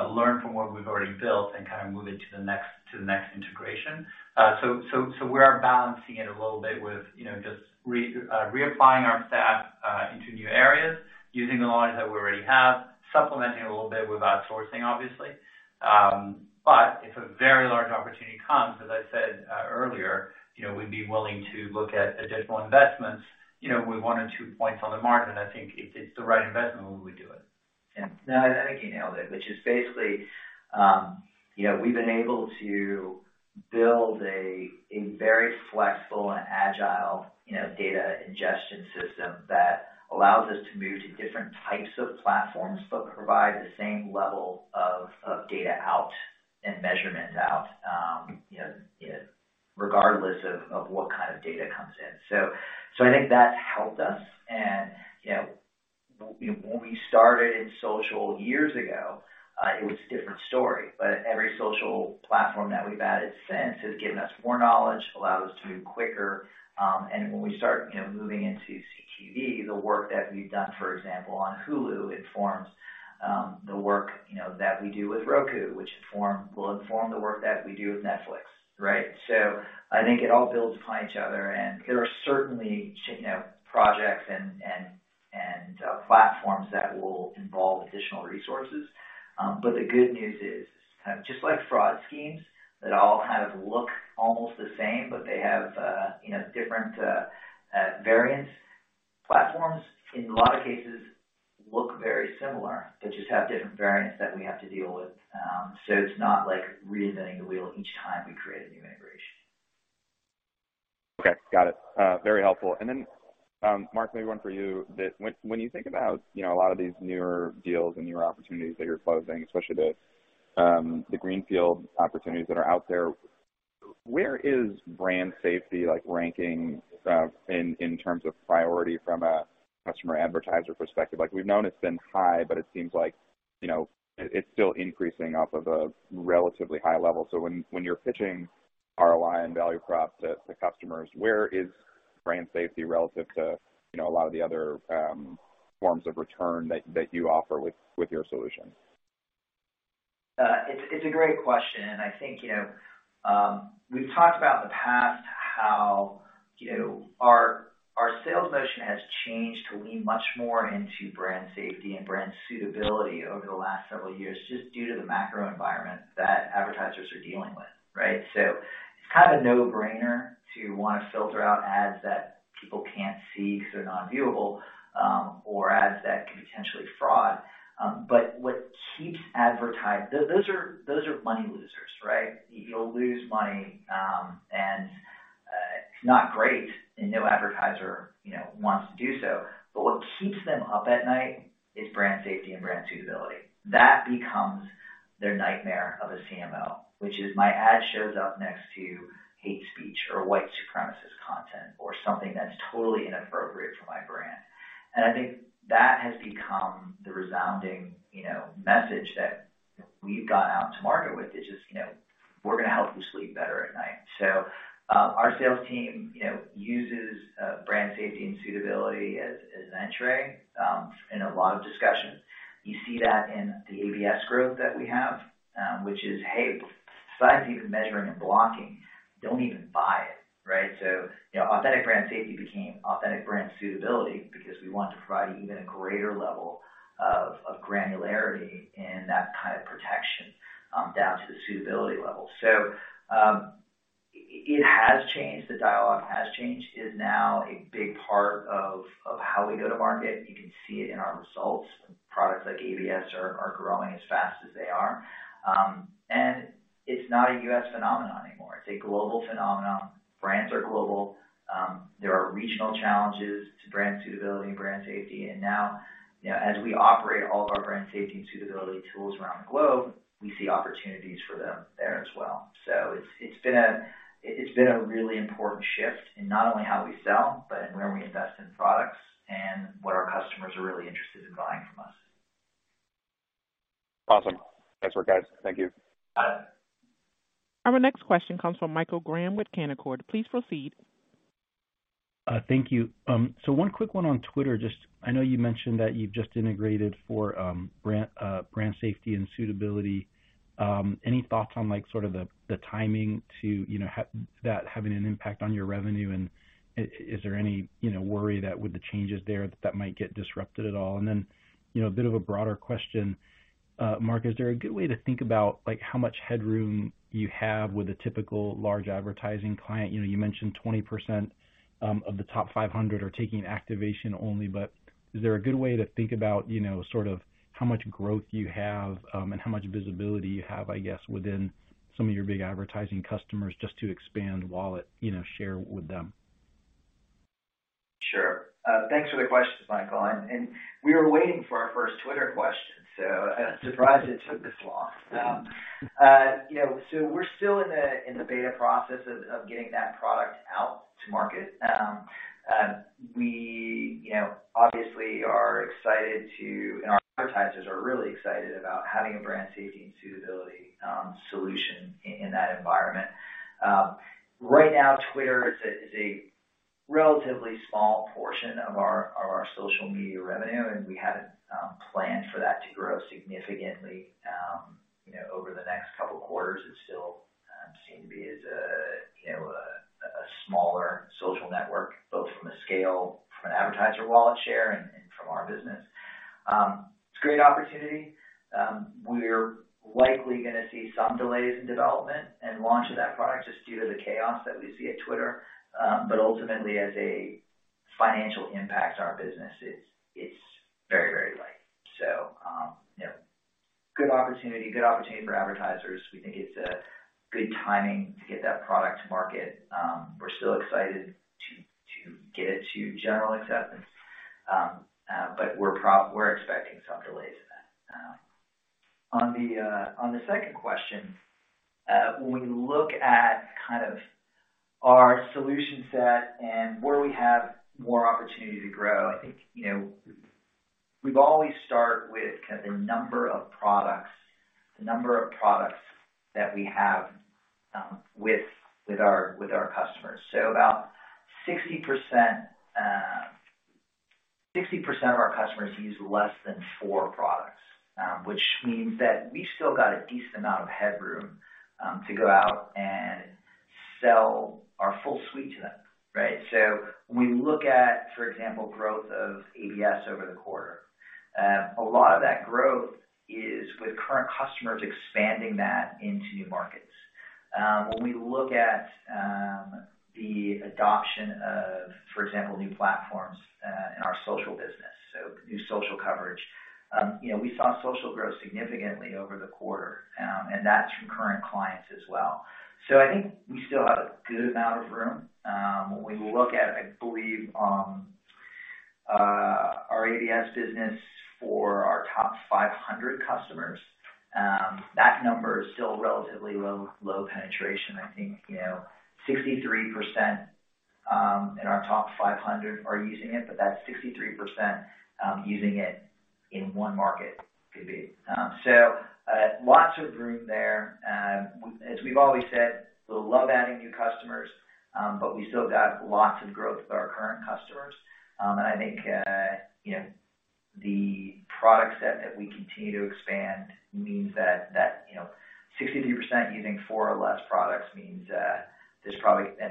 learn from what we've already built and kind of move it to the next integration. We are balancing it a little bit with just reapplying our staff into new areas, using the knowledge that we already have, supplementing a little bit with outsourcing obviously. If a very large opportunity comes, as I said earlier, we'd be willing to look at additional investments. With one or two points on the margin, I think if it's the right investment, we would do it. Yeah. No, I think you nailed it, which is basically, you know, we've been able to build a very flexible and agile, you know, data ingestion system that allows us to move to different types of platforms, but provide the same level of data out and measurement out, you know, regardless of what kind of data comes in. I think that's helped us. When we started in social years ago, it was a different story, but every social platform that we've added since has given us more knowledge, allowed us to move quicker. When we start, you know, moving into CTV, the work that we've done, for example, on Hulu informs the work, you know, that we do with Roku, which will inform the work that we do with Netflix, right? I think it all builds upon each other, and there are certainly, you know, projects and platforms that will involve additional resources. The good news is, kind of just like fraud schemes that all kind of look almost the same, but they have, you know, different variants. Platforms in a lot of cases look very similar. They just have different variants that we have to deal with. It's not like reinventing the wheel each time we create a new integration. Okay. Got it. Very helpful. Mark, maybe one for you. When you think about, you know, a lot of these newer deals and newer opportunities that you're closing, especially the greenfield opportunities that are out there, where is brand safety like ranking in terms of priority from a customer advertiser perspective? Like we've known it's been high, but it seems like, you know, it's still increasing off of a relatively high level. When you're pitching ROI and value props to customers, where is brand safety relative to, you know, a lot of the other forms of return that you offer with your solution? It's a great question, I think, you know, we've talked about in the past how, you know, our sales motion has changed to lean much more into brand safety and brand suitability over the last several years just due to the macro environment that advertisers are dealing with, right? It's kind of a no-brainer to wanna filter out ads that people can't see because they're non-viewable, or ads that could potentially fraud. Those are money losers, right? You'll lose money, it's not great, no advertiser, you know, wants to do so. What keeps them up at night is brand safety and brand suitability. That becomes their nightmare of a CMO, which is my ad shows up next to hate speech or white supremacist content or something that's totally inappropriate for my brand. I think that has become the resounding, you know, message that we've gone out to market with is just, you know, we're gonna help you sleep better at night. Our sales team, you know, uses brand safety and suitability as an entrée in a lot of discussions. You see that in the ABS growth that we have, which is, hey, besides even measuring and blocking, don't even buy it, right? You know, Authentic Brand Safety became Authentic Brand Suitability because we want to provide even a greater level of granularity and that kind of protection down to the suitability level. It has changed, the dialogue has changed. It is now a big part of how we go to market. You can see it in our results. Products like ABS are growing as fast as they are. It's not a U.S. phenomenon anymore. It's a global phenomenon. Brands are global. There are regional challenges to brand suitability and brand safety. Now, you know, as we operate all of our brand safety and suitability tools around the globe, we see opportunities for them there as well. It's been a really important shift in not only how we sell, but in where we invest in products and what our customers are really interested in buying from us. Awesome. Nice work, guys. Thank you. Got it. Our next question comes from Michael Graham with Canaccord. Please proceed. Thank you. One quick one on Twitter. Just, I know you mentioned that you've just integrated for brand safety and suitability. Any thoughts on, like, sort of the timing to, you know, that having an impact on your revenue? Is there any, you know, worry that with the changes there, that might get disrupted at all? You know, a bit of a broader question, Mark, is there a good way to think about, like, how much headroom you have with a typical large advertising client? You know, you mentioned 20%, of the top 500 are taking activation only, but is there a good way to think about, you know, sort of how much growth you have, and how much visibility you have, I guess, within some of your big advertising customers just to expand wallet, you know, share with them? Sure. Thanks for the questions, Michael, and we were waiting for our first Twitter question. I'm surprised it took this long. You know, we're still in the beta process of getting that product out to market. We, you know, obviously are excited to, and our advertisers are really excited about having a brand safety and suitability solution in that environment. Right now, Twitter is a relatively small portion of our social media revenue. We haven't planned for that to grow significantly, you know, over the next two quarters. It still seem to be as a, you know, a smaller social network, both from a scale, from an advertiser wallet share and from our business. It's a great opportunity. We're likely gonna see some delays in development and launch of that product just due to the chaos that we see at Twitter. Ultimately, as a financial impact to our business, it's very, very light. You know, good opportunity. Good opportunity for advertisers. We think it's a good timing to get that product to market. We're still excited to get it to general acceptance. We're expecting some delays in that. On the second question, when we look at kind of our solution set and where we have more opportunity to grow, I think, you know, we've always start with kind of the number of products that we have with our customers. About 60% of our customers use less than four products, which means that we've still got a decent amount of headroom to go out and sell our full suite to them, right? When we look at, for example, growth of ABS over the quarter, a lot of that growth is with current customers expanding that into new markets. When we look at the adoption of, for example, new platforms in our social business, so new social coverage, you know, we saw social grow significantly over the quarter, and that's from current clients as well. I think we still have a good amount of room. When we look at, I believe, our ABS business for our top 500 customers, that number is still relatively low penetration. I think, you know, 63% in our top 500 are using it, but that's 63% using it in one market could be. Lots of room there. As we've always said, we love adding new customers, but we still got lots of growth with our current customers. I think, you know, the product set that we continue to expand means that, you know, 63% using four or less products means that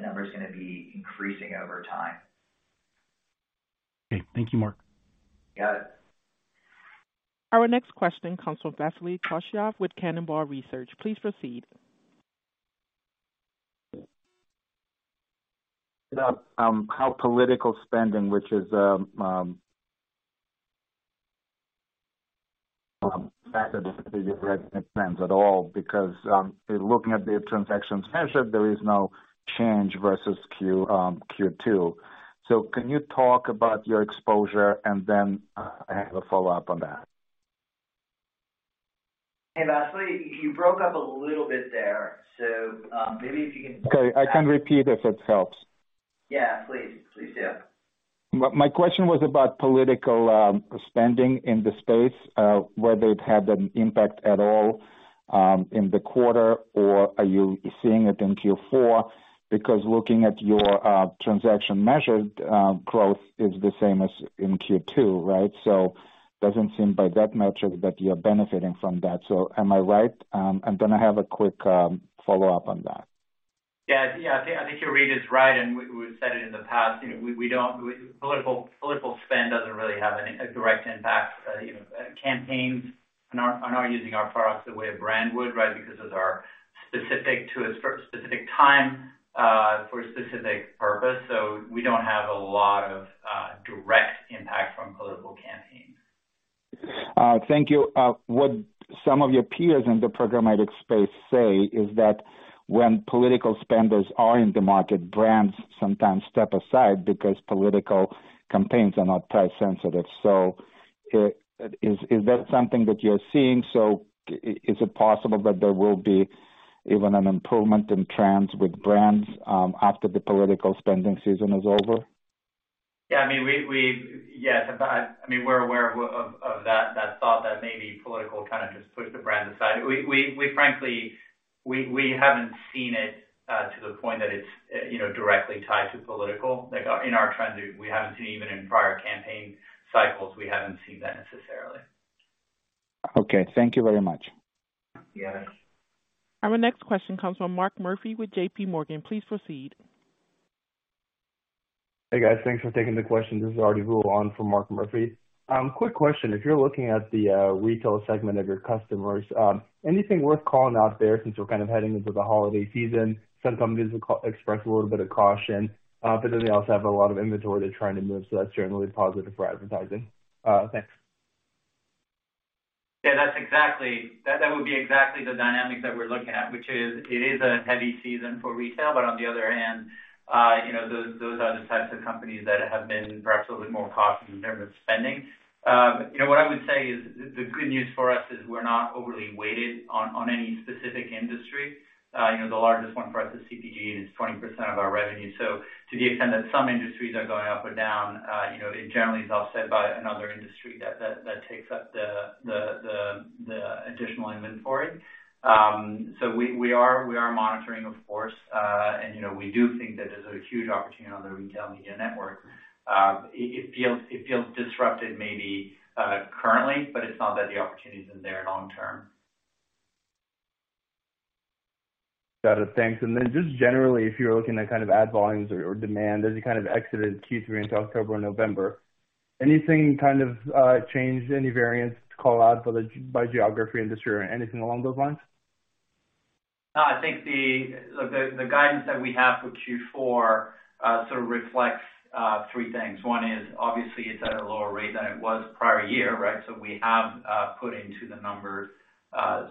number is gonna be increasing over time. Okay. Thank you, Mark. Got it. Our next question comes from Vasily Karasyov with Cannonball Research. Please proceed. About how political spending, which is factor that you had plans at all because looking at the transactions measured, there is no change versus Q2. Can you talk about your exposure? I have a follow-up on that. Hey, Vasily. You broke up a little bit there, so. Sorry. I can repeat if it helps. Yeah, please. Please do. My question was about political spending in the space, whether it had an impact at all in the quarter or are you seeing it in Q4? Because looking at your transaction measured growth is the same as in Q2, right? Doesn't seem by that metric that you're benefiting from that. Am I right? Then I have a quick follow-up on that. Yeah. Yeah, I think your read is right. We've said it in the past. You know, political spend doesn't really have any direct impact. You know, campaigns are not using our products the way a brand would, right? Because those are specific to a specific time for a specific purpose. We don't have a lot of direct impact from political campaigns. Thank you. What some of your peers in the programmatic space say is that when political spenders are in the market, brands sometimes step aside because political campaigns are not price sensitive. Is that something that you're seeing? Is it possible that there will be even an improvement in trends with brands, after the political spending season is over? Yeah, I mean, we're aware of that thought that maybe political kind of just pushed the brand aside. We frankly haven't seen it to the point that it's, you know, directly tied to political. Like, in our trends, we haven't seen even in prior campaign cycles, we haven't seen that necessarily. Okay. Thank you very much. Yes. Our next question comes from Mark Murphy with JPMorgan. Please proceed. Hey, guys. Thanks for taking the question. This is Arti Vula on for Mark Murphy. Quick question. If you're looking at the retail segment of your customers, anything worth calling out there since we're kind of heading into the holiday season? Some companies express a little bit of caution, but then they also have a lot of inventory they're trying to move, so that's generally positive for advertising. Thanks. That's exactly, that would be exactly the dynamic that we're looking at, which is it is a heavy season for retail. On the other hand, you know, those are the types of companies that have been perhaps a little bit more cautious in terms of spending. You know, what I would say is the good news for us is we're not overly weighted on any specific industry. You know, the largest one for us is CPG, and it's 20% of our revenue. To the extent that some industries are going up or down, you know, it generally is offset by another industry that takes up the additional inventory. So we are monitoring, of course. You know, we do think that there's a huge opportunity on the retail media network. It feels disrupted maybe, currently, but it's not that the opportunity isn't there long term. Got it. Thanks. Just generally, if you're looking at kind of ad volumes or demand as you kind of exited Q3 into October and November, anything kind of changed, any variance to call out by geography, industry, or anything along those lines? No, I think the guidance that we have for Q4 sort of reflects three things. One is, obviously it's at a lower rate than it was prior year, right. We have put into the numbers,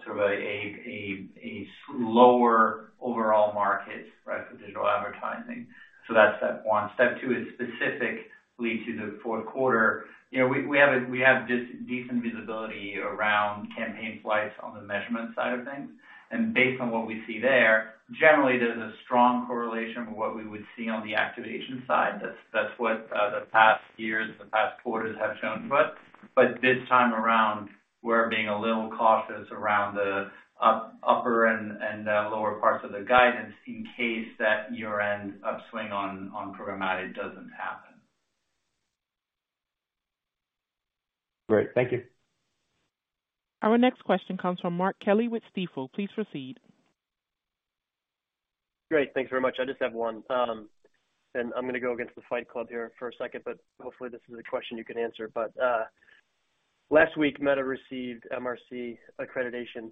sort of a slower overall market, right. For digital advertising. That's step one. Step two is specific lead to the fourth quarter. You know, we have decent visibility around campaign flights on the measurement side of things. Based on what we see there, generally, there's a strong correlation with what we would see on the activation side. That's what the past years, the past quarters have shown to us. This time around, we're being a little cautious around the upper and lower parts of the guidance in case that year-end upswing on programmatic doesn't happen. Great. Thank you. Our next question comes from Mark Kelley with Stifel. Please proceed. Great. Thanks very much. I just have one. I'm gonna go against the Fight Club here for a second, but hopefully this is a question you can answer. Last week, Meta received MRC accreditation.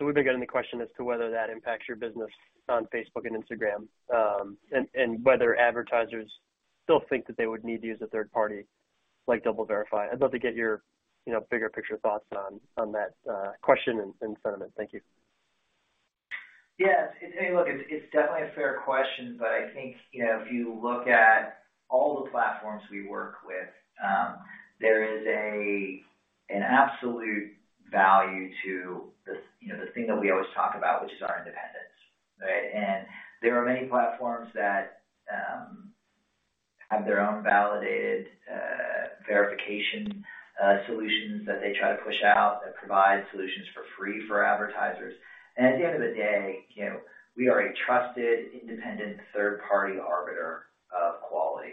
We've been getting the question as to whether that impacts your business on Facebook and Instagram, and whether advertisers still think that they would need to use a third party like DoubleVerify. I'd love to get your, you know, bigger picture thoughts on that question and sentiment. Thank you. Yes. Hey, look, it's definitely a fair question. I think, you know, if you look at all the platforms we work with, there is an absolute value to the, you know, the thing that we always talk about, which is our independence, right? There are many platforms that have their own validated verification solutions that they try to push out that provide solutions for free for advertisers. At the end of the day, you know, we are a trusted, independent, third-party arbiter of quality.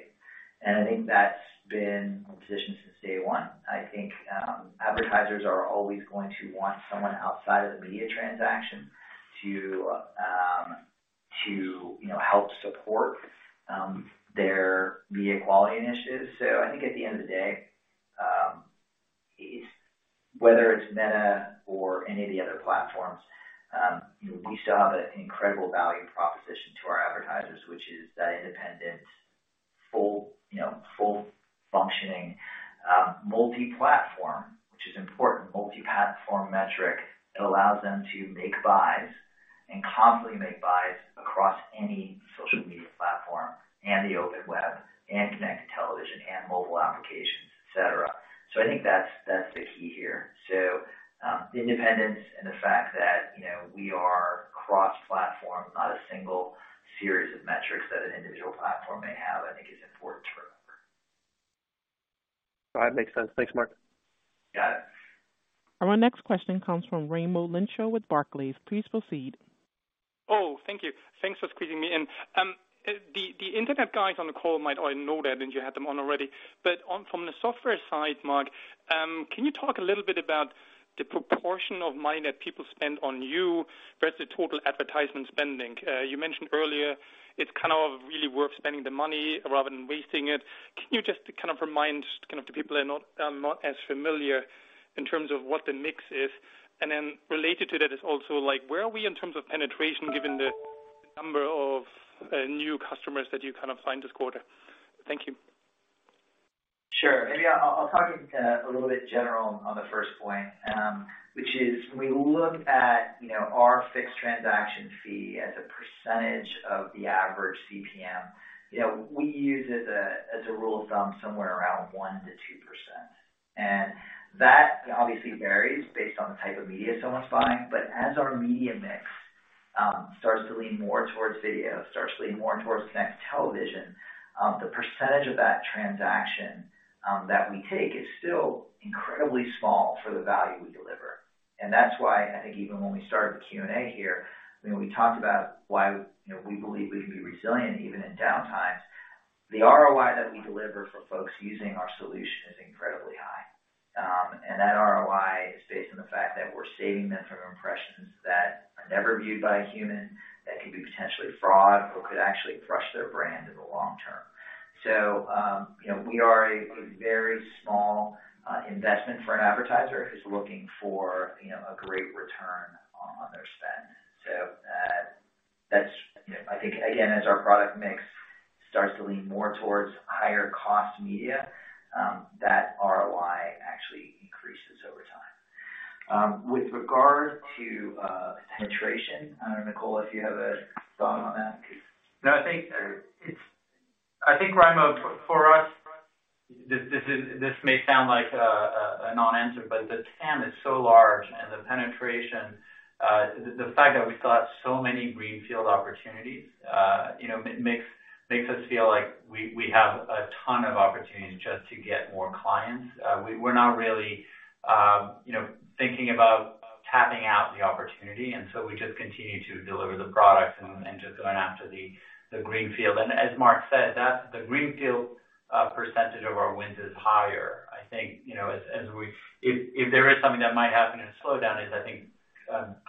I think that's been our position since day one. I think advertisers are always going to want someone outside of the media transaction to, you know, help support their media quality initiatives. I think at the end of the day, it's whether it's Meta or any of the other platforms, you know, we still have an incredible value proposition to our advertisers, which is that independent, full functioning, multi-platform, which is important. Multi-platform metric that allows them to make buys and constantly make buys across any social media platform and the open web and connected television and mobile applications, et cetera. I think that's the key here. The independence and the fact that, you know, we are cross-platform, not a single series of metrics that an individual platform may have, I think is important to remember. All right. Makes sense. Thanks, Mark. Got it. Our next question comes from Raimo Lenschow with Barclays. Please proceed. Thank you. Thanks for squeezing me in. The internet guys on the call might already know that, and you had them on already. From the software side, Mark, can you talk a little bit about the proportion of money that people spend on you versus total advertisement spending? You mentioned earlier it's kind of really worth spending the money rather than wasting it. Can you just kind of remind the people are not as familiar in terms of what the mix is? Related to that is also like where are we in terms of penetration given the number of new customers that you kind of find this quarter? Thank you. Sure. Maybe I'll talk a little bit general on the first point, which is when we look at, you know, our fixed transaction fee as a percentage of the average CPM, you know, we use as a rule of thumb somewhere around 1%-2%. That obviously varies based on the type of media someone's buying. As our media mix starts to lean more towards video, starts to lean more towards connected television, the percentage of that transaction that we take is still incredibly small for the value we deliver. That's why I think even when we started the Q&A here, you know, we talked about why, you know, we believe we can be resilient even in down times. The ROI that we deliver for folks using our solution is incredibly high. And that ROI is based on the fact that we're saving them from impressions that are never viewed by a human, that could be potentially fraud or could actually crush their brand in the long term. You know, we are a very small investment for an advertiser who's looking for, you know, a great return on their spend. That's, you know I think, again, as our product mix starts to lean more towards higher cost media, that ROI actually increases over time. With regard to penetration, I don't know, Nicola, if you have a thought on that. No, I think, Raimo, for us, this may sound like a non-answer, but the TAM is so large and the penetration, the fact that we still have so many greenfield opportunities, you know, makes us feel like we have a ton of opportunities just to get more clients. We're not really, you know, thinking about tapping out the opportunity, so we just continue to deliver the product and just going after the greenfield. As Mark said, that's the greenfield percentage of our wins is higher. I think, you know, as we if there is something that might happen in a slowdown is I think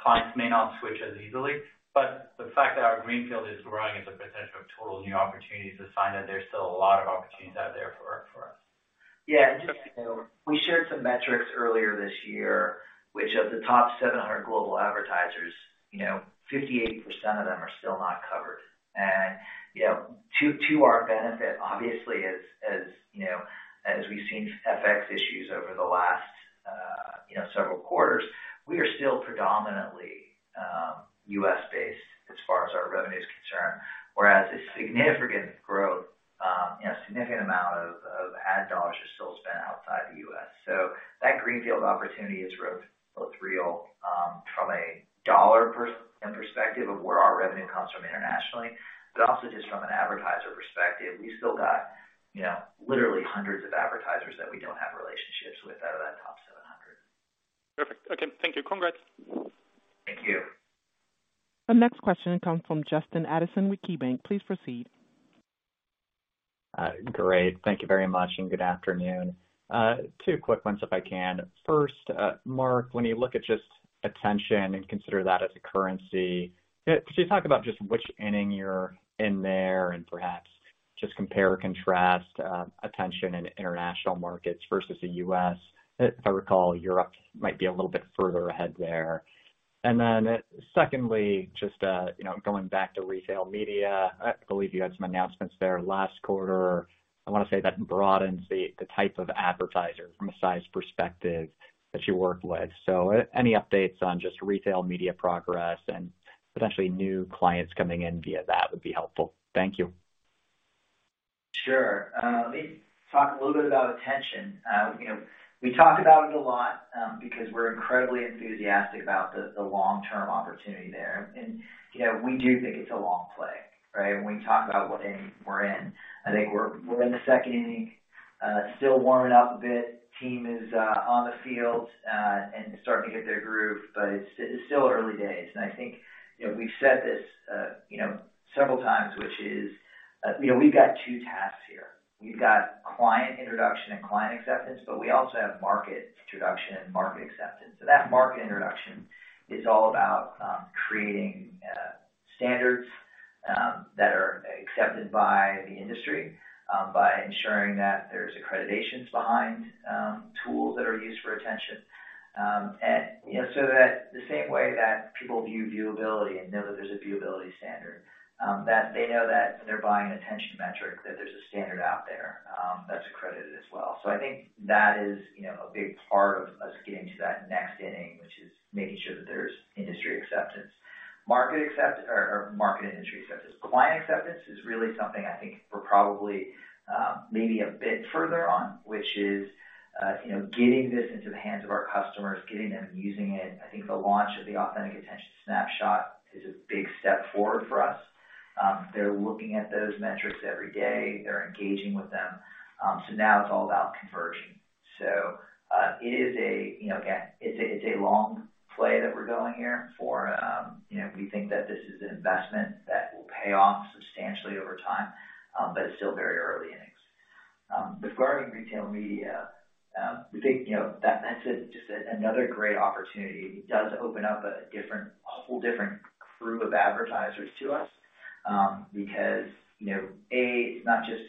clients may not switch as easily. The fact that our greenfield is growing as a potential of total new opportunity is a sign that there's still a lot of opportunities out there for us. Yeah. Just so you know, we shared some metrics earlier this year, which of the top 700 global advertisers, you know, 58% of them are still not covered. You know, to our benefit, obviously, as you know, as we've seen FX issues over the last, You know, several quarters. We are still predominantly U.S.-based as far as our revenue is concerned, whereas a significant growth, you know, significant amount of ad dollars are still spent outside the U.S. That greenfield opportunity is both real from a dollar perspective of where our revenue comes from internationally, but also just from an advertiser perspective. We've still got, you know, literally hundreds of advertisers that we don't have relationships with out of that top 700. Perfect. Okay. Thank you. Congrats. Thank you. The next question comes from Justin Patterson with KeyBank. Please proceed. Great. Thank you very much. Good afternoon. Two quick ones if I can. First, Mark, when you look at just attention and consider that as a currency, could you talk about just which inning you're in there and perhaps just compare or contrast attention in international markets versus the U.S.? If I recall, Europe might be a little bit further ahead there. Secondly, just, you know, going back to retail media, I believe you had some announcements there last quarter. I wanna say that broadens the type of advertiser from a size perspective that you work with. Any updates on just retail media progress and potentially new clients coming in via that would be helpful. Thank you. Sure. Let me talk a little bit about attention. You know, we talk about it a lot, because we're incredibly enthusiastic about the long-term opportunity there. You know, we do think it's a long play, right? When we talk about what inning we're in, I think we're in the second inning, still warming up a bit. Team is on the field, and starting to hit their groove, but it's still early days. I think, you know, we've said this, you know, several times, which is, you know, we've got two tasks here. We've got client introduction and client acceptance, but we also have market introduction and market acceptance. That market introduction is all about creating standards that are accepted by the industry by ensuring that there's accreditations behind tools that are used for attention. You know, so that the same way that people view viewability and know that there's a viewability standard, that they know that when they're buying an attention metric, that there's a standard out there that's accredited as well. I think that is, you know, a big part of us getting to that next inning, which is making sure that there's industry acceptance. Market industry acceptance. Client acceptance is really something I think we're probably maybe a bit further on, which is, you know, getting this into the hands of our customers, getting them using it. I think the launch of the Authentic Attention Snapshot is a big step forward for us. They're looking at those metrics every day. They're engaging with them. Now it's all about conversion. It is a, you know, again, it's a, it's a long play that we're going here for, you know, we think that this is an investment that will pay off substantially over time, but it's still very early innings. Regarding retail media, we think, you know, that's a, just a, another great opportunity. It does open up a different, a whole different crew of advertisers to us, you know, A, it's not just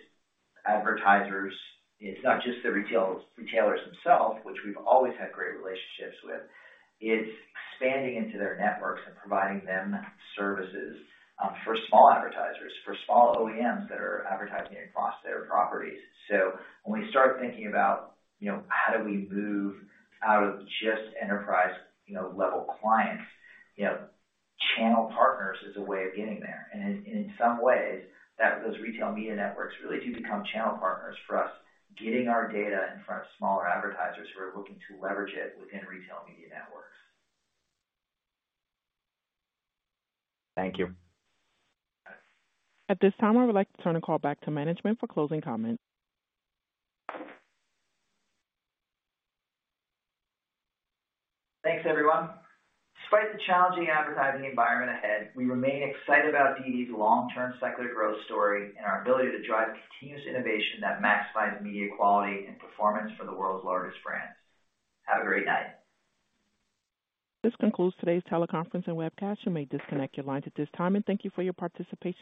advertisers. It's not just the retailers themselves, which we've always had great relationships with. It's expanding into their networks and providing them services for small advertisers, for small OEMs that are advertising across their properties. When we start thinking about, you know, how do we move out of just enterprise, you know, level clients, you know, channel partners is a way of getting there. In some ways, those retail media networks really do become channel partners for us, getting our data in front of smaller advertisers who are looking to leverage it within retail media networks. Thank you. At this time, I would like to turn the call back to management for closing comments. Thanks, everyone. Despite the challenging advertising environment ahead, we remain excited about DV's long-term secular growth story and our ability to drive continuous innovation that maximizes media quality and performance for the world's largest brands. Have a great night. This concludes today's teleconference and webcast. You may disconnect your lines at this time. Thank you for your participation.